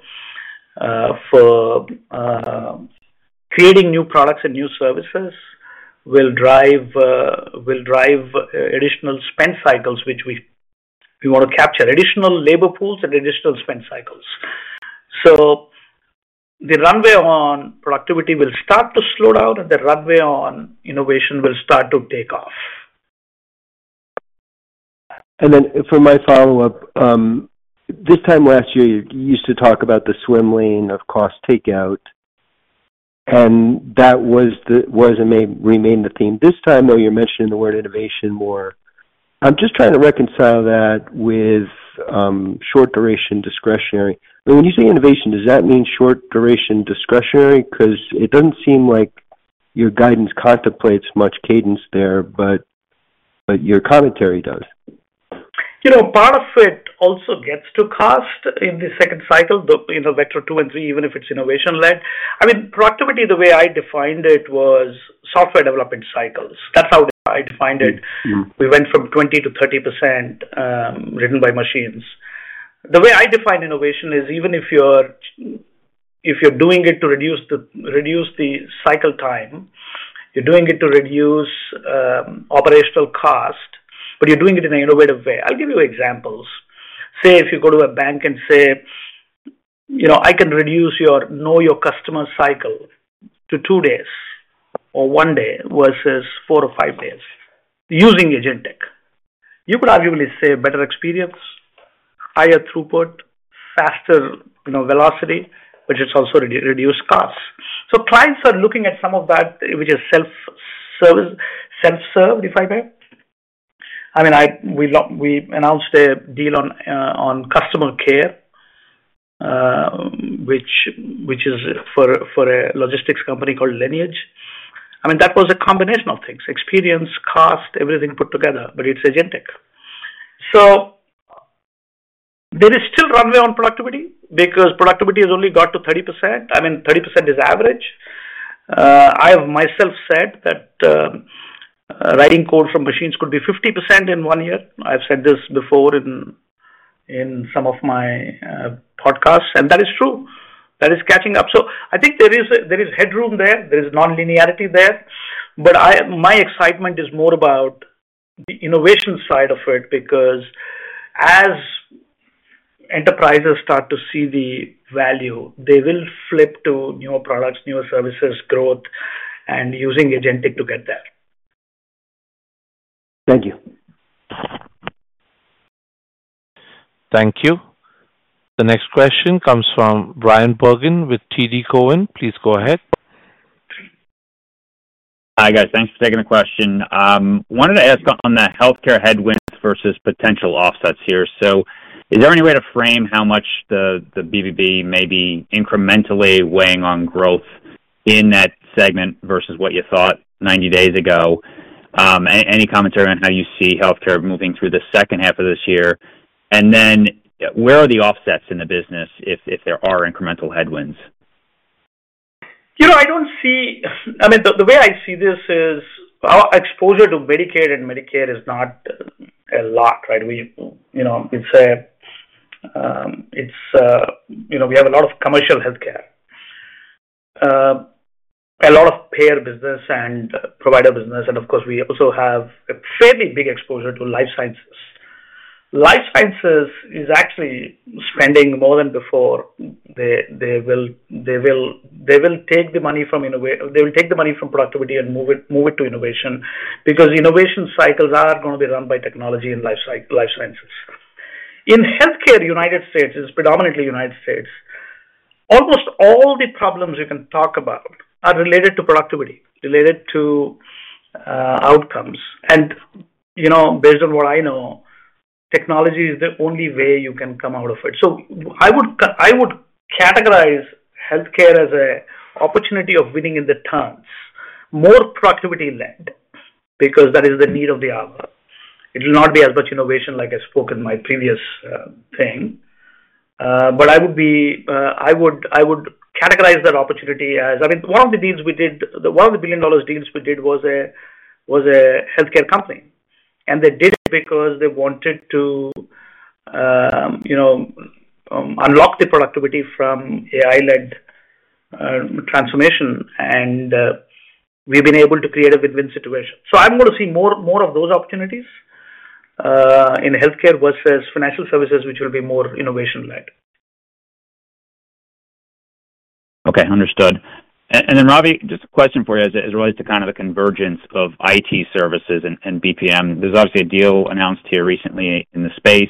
creating new products and new services will drive additional spend cycles which we want to capture, additional labor pools and additional spend cycles. The runway on productivity will start to slow down and the runway on innovation will start to take off. For my follow-up, this time last year, you used to talk about the swim lane of cost takeout. That was and remained the theme. This time, though, you're mentioning the word innovation more. I'm just trying to reconcile that with short-duration discretionary. When you say innovation, does that mean short-duration discretionary? Because it doesn't seem like your guidance contemplates much cadence there, but your commentary does. Part of it also gets to cost in the second cycle, the Vector 2 and 3, even if it's innovation-led. I mean, productivity, the way I defined it was software development cycles. That's how I defined it. We went from 20 to 30%, ridden by machines. The way I define innovation is even if you're doing it to reduce the cycle time, you're doing it to reduce operational cost, but you're doing it in an innovative way. I'll give you examples. Say if you go to a bank and say, you know, I can reduce your know your customer cycle to two days or one day versus four or five days using Agentic. You could arguably say better experience, higher throughput, faster velocity, which is also reduced costs. Clients are looking at some of that, which is self-served, if I may. I mean, we announced a deal on customer care, which is for a logistics company called Lineage. That was a combination of things, experience, cost, everything put together, but it's Agentic. There is still runway on productivity because productivity has only got to 30%. I mean, 30% is average. I have myself said that writing code from machines could be 50% in one year. I've said this before in some of my podcasts, and that is true. That is catching up. I think there is headroom there. There is non-linearity there. My excitement is more about the innovation side of it because as. Enterprises start to see the value, they will flip to newer products, newer services, growth, and using Agentic to get there. Thank you. Thank you. The next question comes from Bryan Bergin with TD Cowen. Please go ahead. Hi guys. Thanks for taking the question. Wanted to ask on the healthcare headwinds versus potential offsets here. Is there any way to frame how much the BBB may be incrementally weighing on growth in that segment versus what you thought 90 days ago? Any commentary on how you see healthcare moving through the second half of this year? Where are the offsets in the business if there are incremental headwinds? I don't see, I mean, the way I see this is our exposure to Medicaid and Medicare is not a lot, right? We have a lot of commercial healthcare, a lot of payer business and provider business. Of course, we also have a fairly big exposure to Life Sciences. Life Sciences is actually spending more than before. They will take the money from productivity and move it to innovation because innovation cycles are going to be run by technology and Life Sciences. In healthcare, United States, it's predominantly United States. Almost all the problems you can talk about are related to productivity, related to outcomes. Based on what I know, technology is the only way you can come out of it. I would categorize healthcare as an opportunity of winning in the turns, more productivity-led, because that is the need of the hour. It will not be as much innovation like I spoke in my previous thing. I would categorize that opportunity as, I mean, one of the deals we did, one of the billion-dollar deals we did was a healthcare company. They did because they wanted to unlock the productivity from AI-led transformation. We've been able to create a win-win situation. I'm going to see more of those opportunities in healthcare versus Financial Services, which will be more innovation-led. Okay, understood. Ravi, just a question for you as it relates to the convergence of IT services and BPM. There's obviously a deal announced here recently in the space.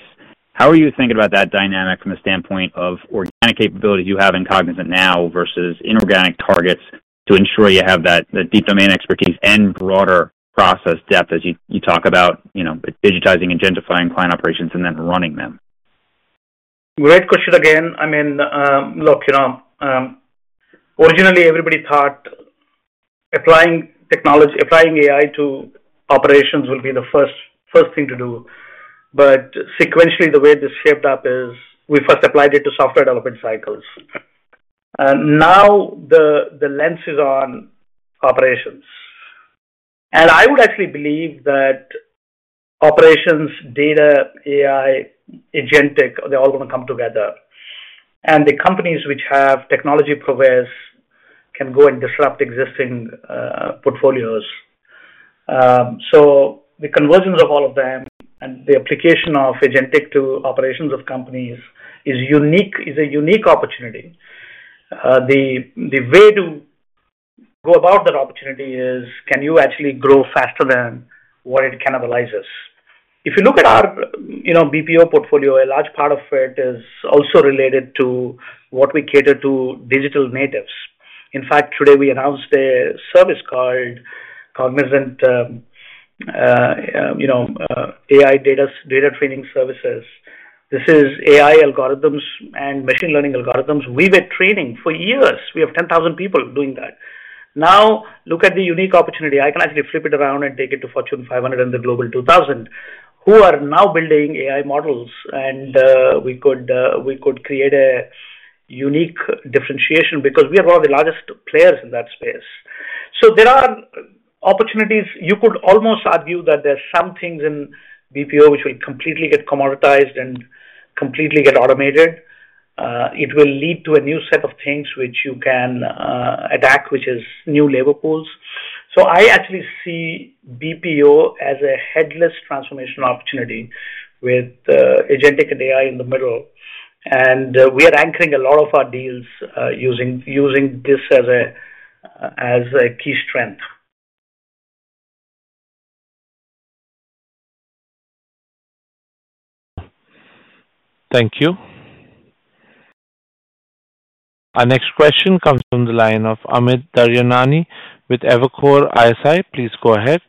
How are you thinking about that dynamic from the standpoint of organic capabilities you have in Cognizant now versus inorganic targets to ensure you have that deep domain expertise and broader process depth as you talk about. Digitizing and gentrifying client operations and then running them? Great question again. I mean, look, you know, originally everybody thought applying AI to operations will be the first thing to do. Sequentially, the way this shaped up is we first applied it to software development cycles. Now the lens is on operations. I would actually believe that operations, data, AI, Agentic, they're all going to come together. The companies which have technology provis can go and disrupt existing portfolios. The convergence of all of them and the application of Agentic to operations of companies is a unique opportunity. The way to go about that opportunity is, can you actually grow faster than what it cannibalizes? If you look at our BPO portfolio, a large part of it is also related to what we cater to digital natives. In fact, today we announced a service called Cognizant AI Training Data Services. This is AI algorithms and machine learning algorithms we were training for years. We have 10,000 people doing that. Now look at the unique opportunity. I can actually flip it around and take it to Fortune 500 and the Global 2000, who are now building AI models. We could create a unique differentiation because we are one of the largest players in that space. There are opportunities. You could almost argue that there are some things in BPO which will completely get commoditized and completely get automated. It will lead to a new set of things which you can add back, which is new labor pools. I actually see BPO as a headless transformation opportunity with Agentic and AI in the middle. We are anchoring a lot of our deals using this as a key strength. Thank you. Our next question comes from the line of Amit Daryanani with Evercore ISI. Please go ahead.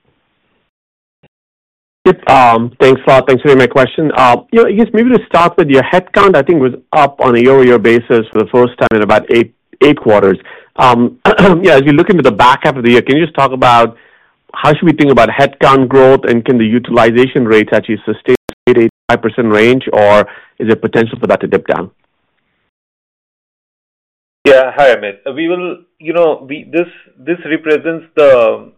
Thanks for answering my question. Yes, maybe to start with your headcount, I think was up on a year-over-year basis for the first time in about eight quarters. As you look into the back half of the year, can you just talk about how should we think about headcount growth and can the utilization rate actually sustain the 85% range, or is there potential for that to dip down? Yeah, hi, Amit. We will, you know, this represents the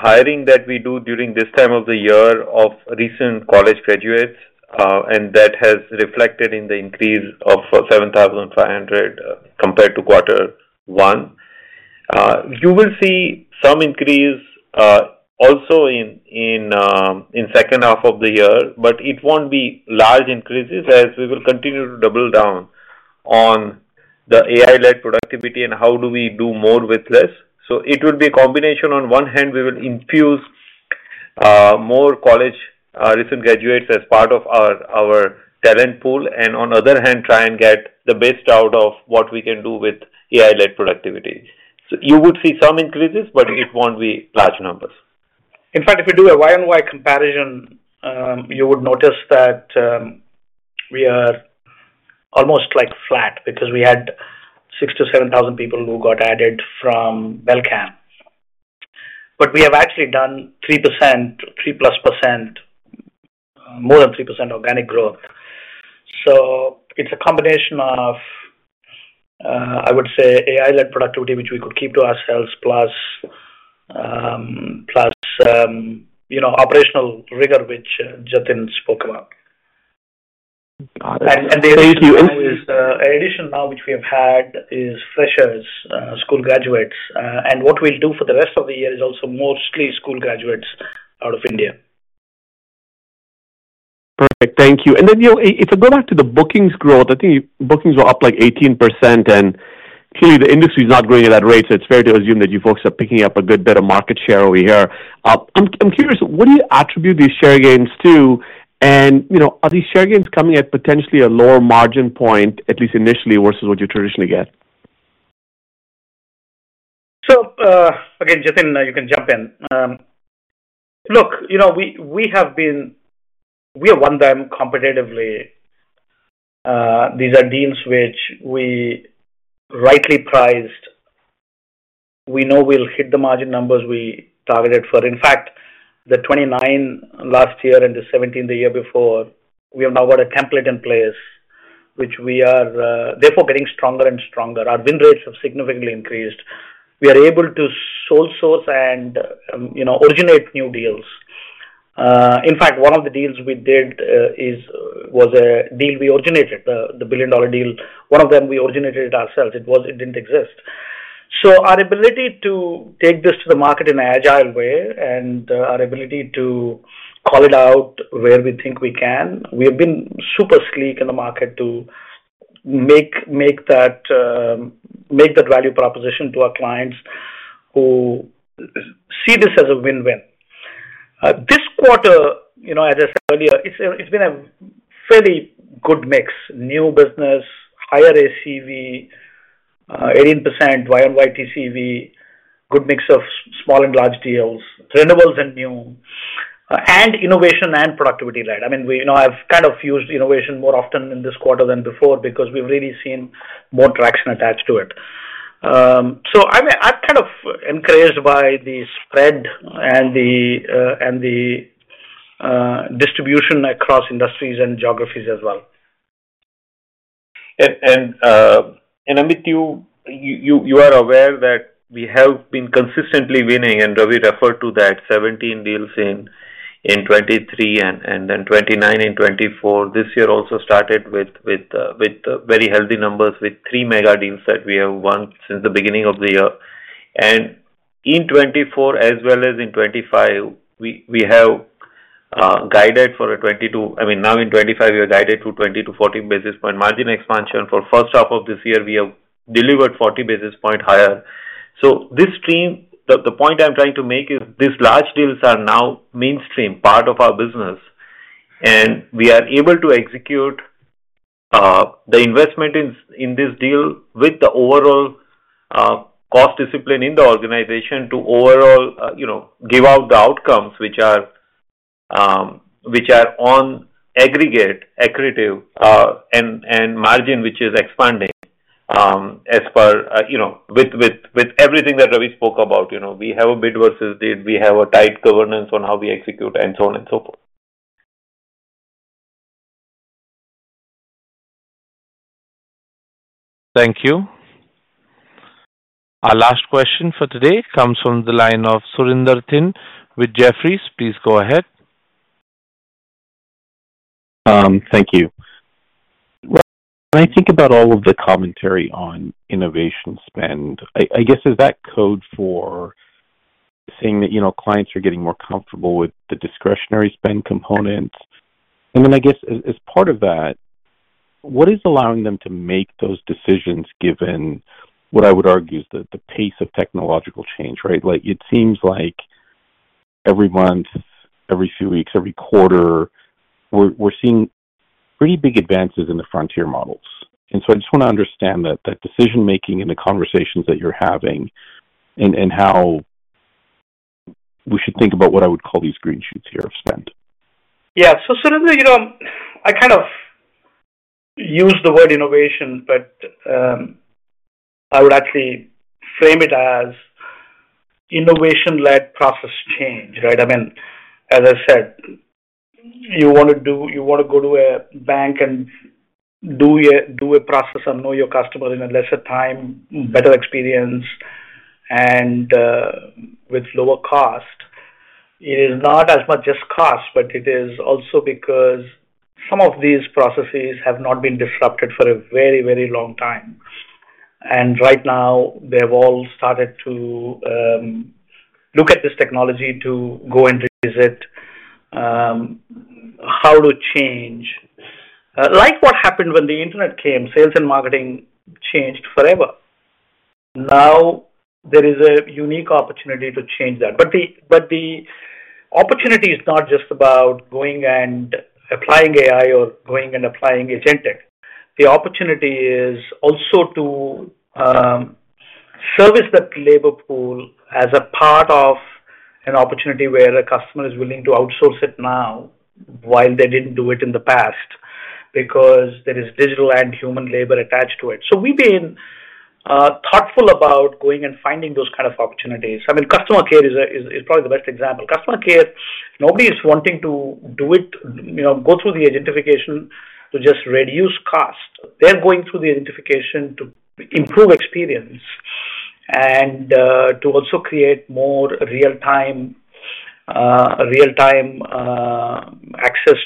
hiring that we do during this time of the year of recent college graduates, and that has reflected in the increase of 7,500 compared to quarter one. You will see some increase also in. Second half of the year, but it won't be large increases as we will continue to double down on the AI-led productivity and how do we do more with less. It will be a combination. On one hand, we will infuse more college recent graduates as part of our talent pool, and on the other hand, try and get the best out of what we can do with AI-led productivity. You would see some increases, but it won't be large numbers. In fact, if you do a YoY comparison, you would notice that we are almost like flat because we had 6,000-7,000 people who got added from Belcan. We have actually done 3%, 3%+, more than 3% organic growth. It is a combination of, I would say, AI-led productivity, which we could keep to ourselves, plus operational rigor, which Jatin spoke about. The addition now, which we have had, is freshers, school graduates. What we'll do for the rest of the year is also mostly school graduates out of India. Perfect, thank you. If I go back to the bookings growth, I think bookings were up like 18%. Clearly, the industry is not growing at that rate. It is fair to assume that you folks are picking up a good bit of market share over here. I'm curious, what do you attribute these share gains to? Are these share gains coming at potentially a lower margin point, at least initially, versus what you traditionally get? Jatin, you can jump in. Look, we have been, we have won them competitively. These are deals which we rightly priced. We know we'll hit the margin numbers we targeted for. In fact, the 29 last year and the 17 the year before, we have now got a template in place, which we are therefore getting stronger and stronger. Our win rates have significantly increased. We are able to sole-source and originate new deals. In fact, one of the deals we did was a deal we originated, the billion-dollar deal. One of them we originated it ourselves. It didn't exist. Our ability to take this to the market in an agile way and our ability to call it out where we think we can, we have been super sleek in the market to make that value proposition to our clients who see this as a win-win. This quarter, as I said earlier, it's been a fairly good mix, new business, higher ACV, 18% YoY TCV, good mix of small and large deals, renewables and new, and innovation and productivity-led. I mean, you know, I've kind of used innovation more often in this quarter than before because we've really seen more traction attached to it. I mean, I'm kind of encouraged by the spread and the distribution across industries and geographies as well. Amit, you are aware that we have been consistently winning, and Ravi referred to that 17 deals in 2023 and then 29 in 2024. This year also started with very healthy numbers with three mega deals that we have won since the beginning of the year. In 2024 as well as in 2025, we have guided for a 22, I mean, now in 2025, we are guided to 20 basis point-40 basis point margin expansion. For the first half of this year, we have delivered 40 basis point higher. This stream, the point I'm trying to make is these large deals are now mainstream, part of our business. We are able to execute the investment in this deal with the overall cost discipline in the organization to overall, you know, give out the outcomes which are on aggregate, accretive, and margin which is expanding. As per, you know, with everything that Ravi spoke about, you know, we have a bid versus bid, we have a tight governance on how we execute and so on and so forth. Thank you. Our last question for today comes from the line of Surinder Thind with Jefferies. Please go ahead. Thank you. When I think about all of the commentary on innovation spend, I guess is that code for saying that, you know, clients are getting more comfortable with the discretionary spend component? I guess as part of that, what is allowing them to make those decisions given what I would argue is the pace of technological change, right? It seems like every month, every few weeks, every quarter, we're seeing pretty big advances in the frontier models. I just want to understand that decision-making and the conversations that you're having and how we should think about what I would call these green shoots here of spend. Yeah, Surinder, you know, I kind of use the word innovation, but I would actually frame it as innovation-led process change, right? I mean, as I said, you want to go to a bank and do a process and know your customer in a lesser time, better experience, and with lower cost. It is not as much as cost, but it is also because some of these processes have not been disrupted for a very, very long time. Right now, they have all started to look at this technology to go and revisit how to change. Like what happened when the internet came, sales and marketing changed forever. Now there is a unique opportunity to change that. The opportunity is not just about going and applying AI or going and applying Agentic. The opportunity is also to service that labor pool as a part of an opportunity where a customer is willing to outsource it now while they didn't do it in the past because there is digital and human labor attached to it. We've been thoughtful about going and finding those kind of opportunities. I mean, customer care is probably the best example. Customer care, nobody's wanting to do it, you know, go through the identification to just reduce cost. They're going through the identification to improve experience and to also create more real-time access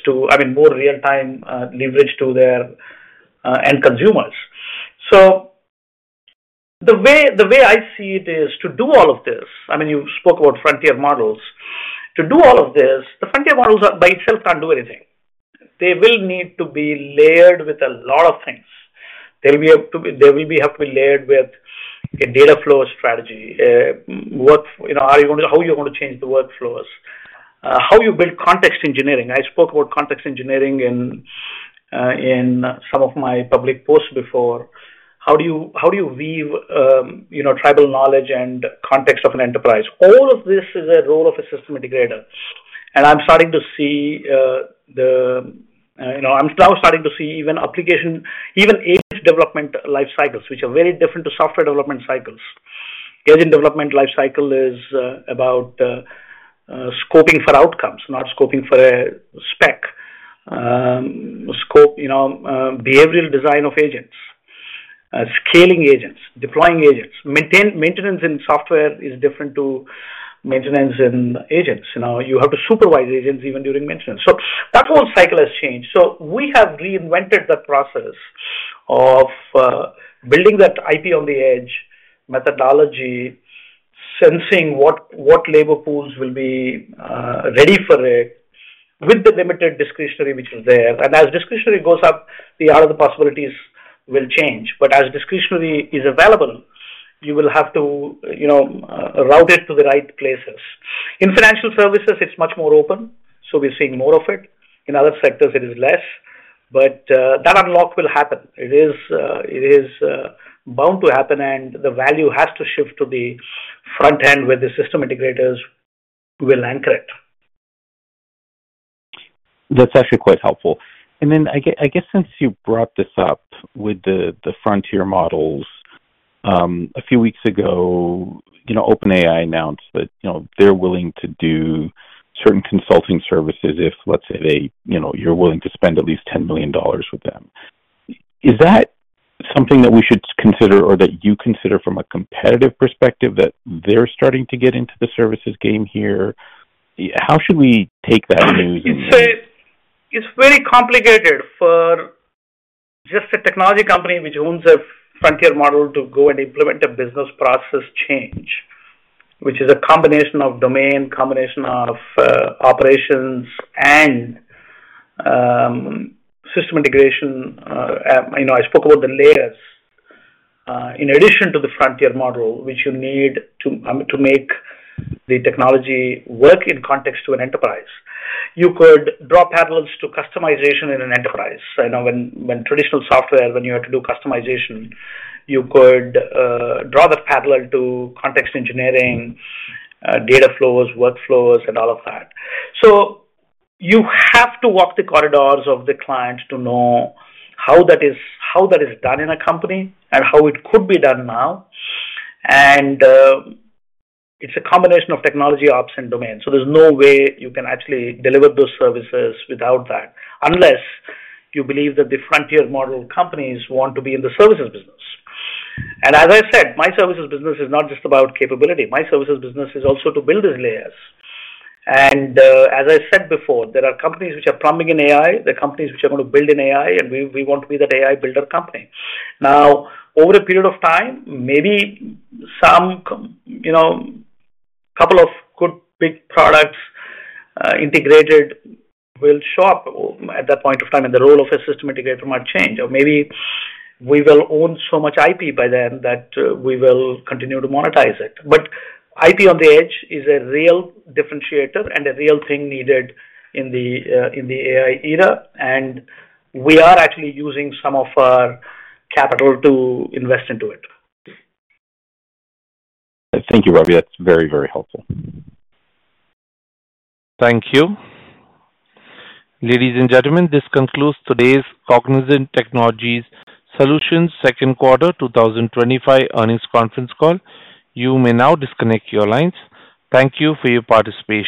to, I mean, more real-time leverage to their end consumers. The way I see it is to do all of this, I mean, you spoke about frontier models, to do all of this, the frontier models by itself can't do anything. They will need to be layered with a lot of things. They'll have to be layered with a data flow strategy. How are you going to change the workflows? How do you build context engineering? I spoke about context engineering in some of my public posts before. How do you weave tribal knowledge and context of an enterprise? All of this is a role of a system integrator. I'm starting to see, you know, I'm now starting to see even application, even agent development life cycles, which are very different to software development cycles. Agent development life cycle is about scoping for outcomes, not scoping for a spec. Scope, you know, behavioral design of agents. Scaling agents, deploying agents. Maintenance in software is different from maintenance in agents. You have to supervise agents even during maintenance. That whole cycle has changed. We have reinvented the process of building that IP on the edge methodology, sensing what labor pools will be ready for it with the limited discretionary which is there. As discretionary goes up, the other possibilities will change. As discretionary is available, you will have to, you know, route it to the right places. In Financial Services, it's much more open. We're seeing more of it. In other sectors, it is less. That unlock will happen. It is bound to happen, and the value has to shift to the front end where the system integrators will anchor it. That's actually quite helpful. Since you brought this up with the frontier models, a few weeks ago, OpenAI announced that they're willing to do certain consulting services if you're willing to spend at least $10 million with them. Is that something that we should consider or that you consider from a competitive perspective, that they're starting to get into the services game here? How should we take that news? It's very complicated for just a technology company which owns a frontier model to go and implement a business process change, which is a combination of domain, operations, and system integration. I spoke about the layers. In addition to the frontier model, which you need to make the technology work in context to an enterprise, you could draw parallels to customization in an enterprise. When traditional software requires customization, you could draw the parallel to context engineering, data flows, workflows, and all of that. You have to walk the corridors of the clients to know how that is done in a company and how it could be done now. It's a combination of technology, ops, and domain. There is no way you can actually deliver those services without that unless you believe that the frontier model companies want to be in the services business. As I said, my services business is not just about capability. My services business is also to build these layers. As I said before, there are companies which are plumbing in AI, there are companies which are going to build in AI, and we want to be that AI builder company. Over a period of time, maybe a couple of good big products integrated will show up at that point of time, and the role of a system integrator might change. Or maybe we will own so much IP by then that we will continue to monetize it. IP on the edge is a real differentiator and a real thing needed in the AI era. We are actually using some of our capital to invest into it. Thank you, Ravi. That's very, very helpful. Thank you. Ladies and gentlemen, this concludes today's Cognizant Technology Solutions Second Quarter 2025 Earnings Conference Call. You may now disconnect your lines. Thank you for your participation.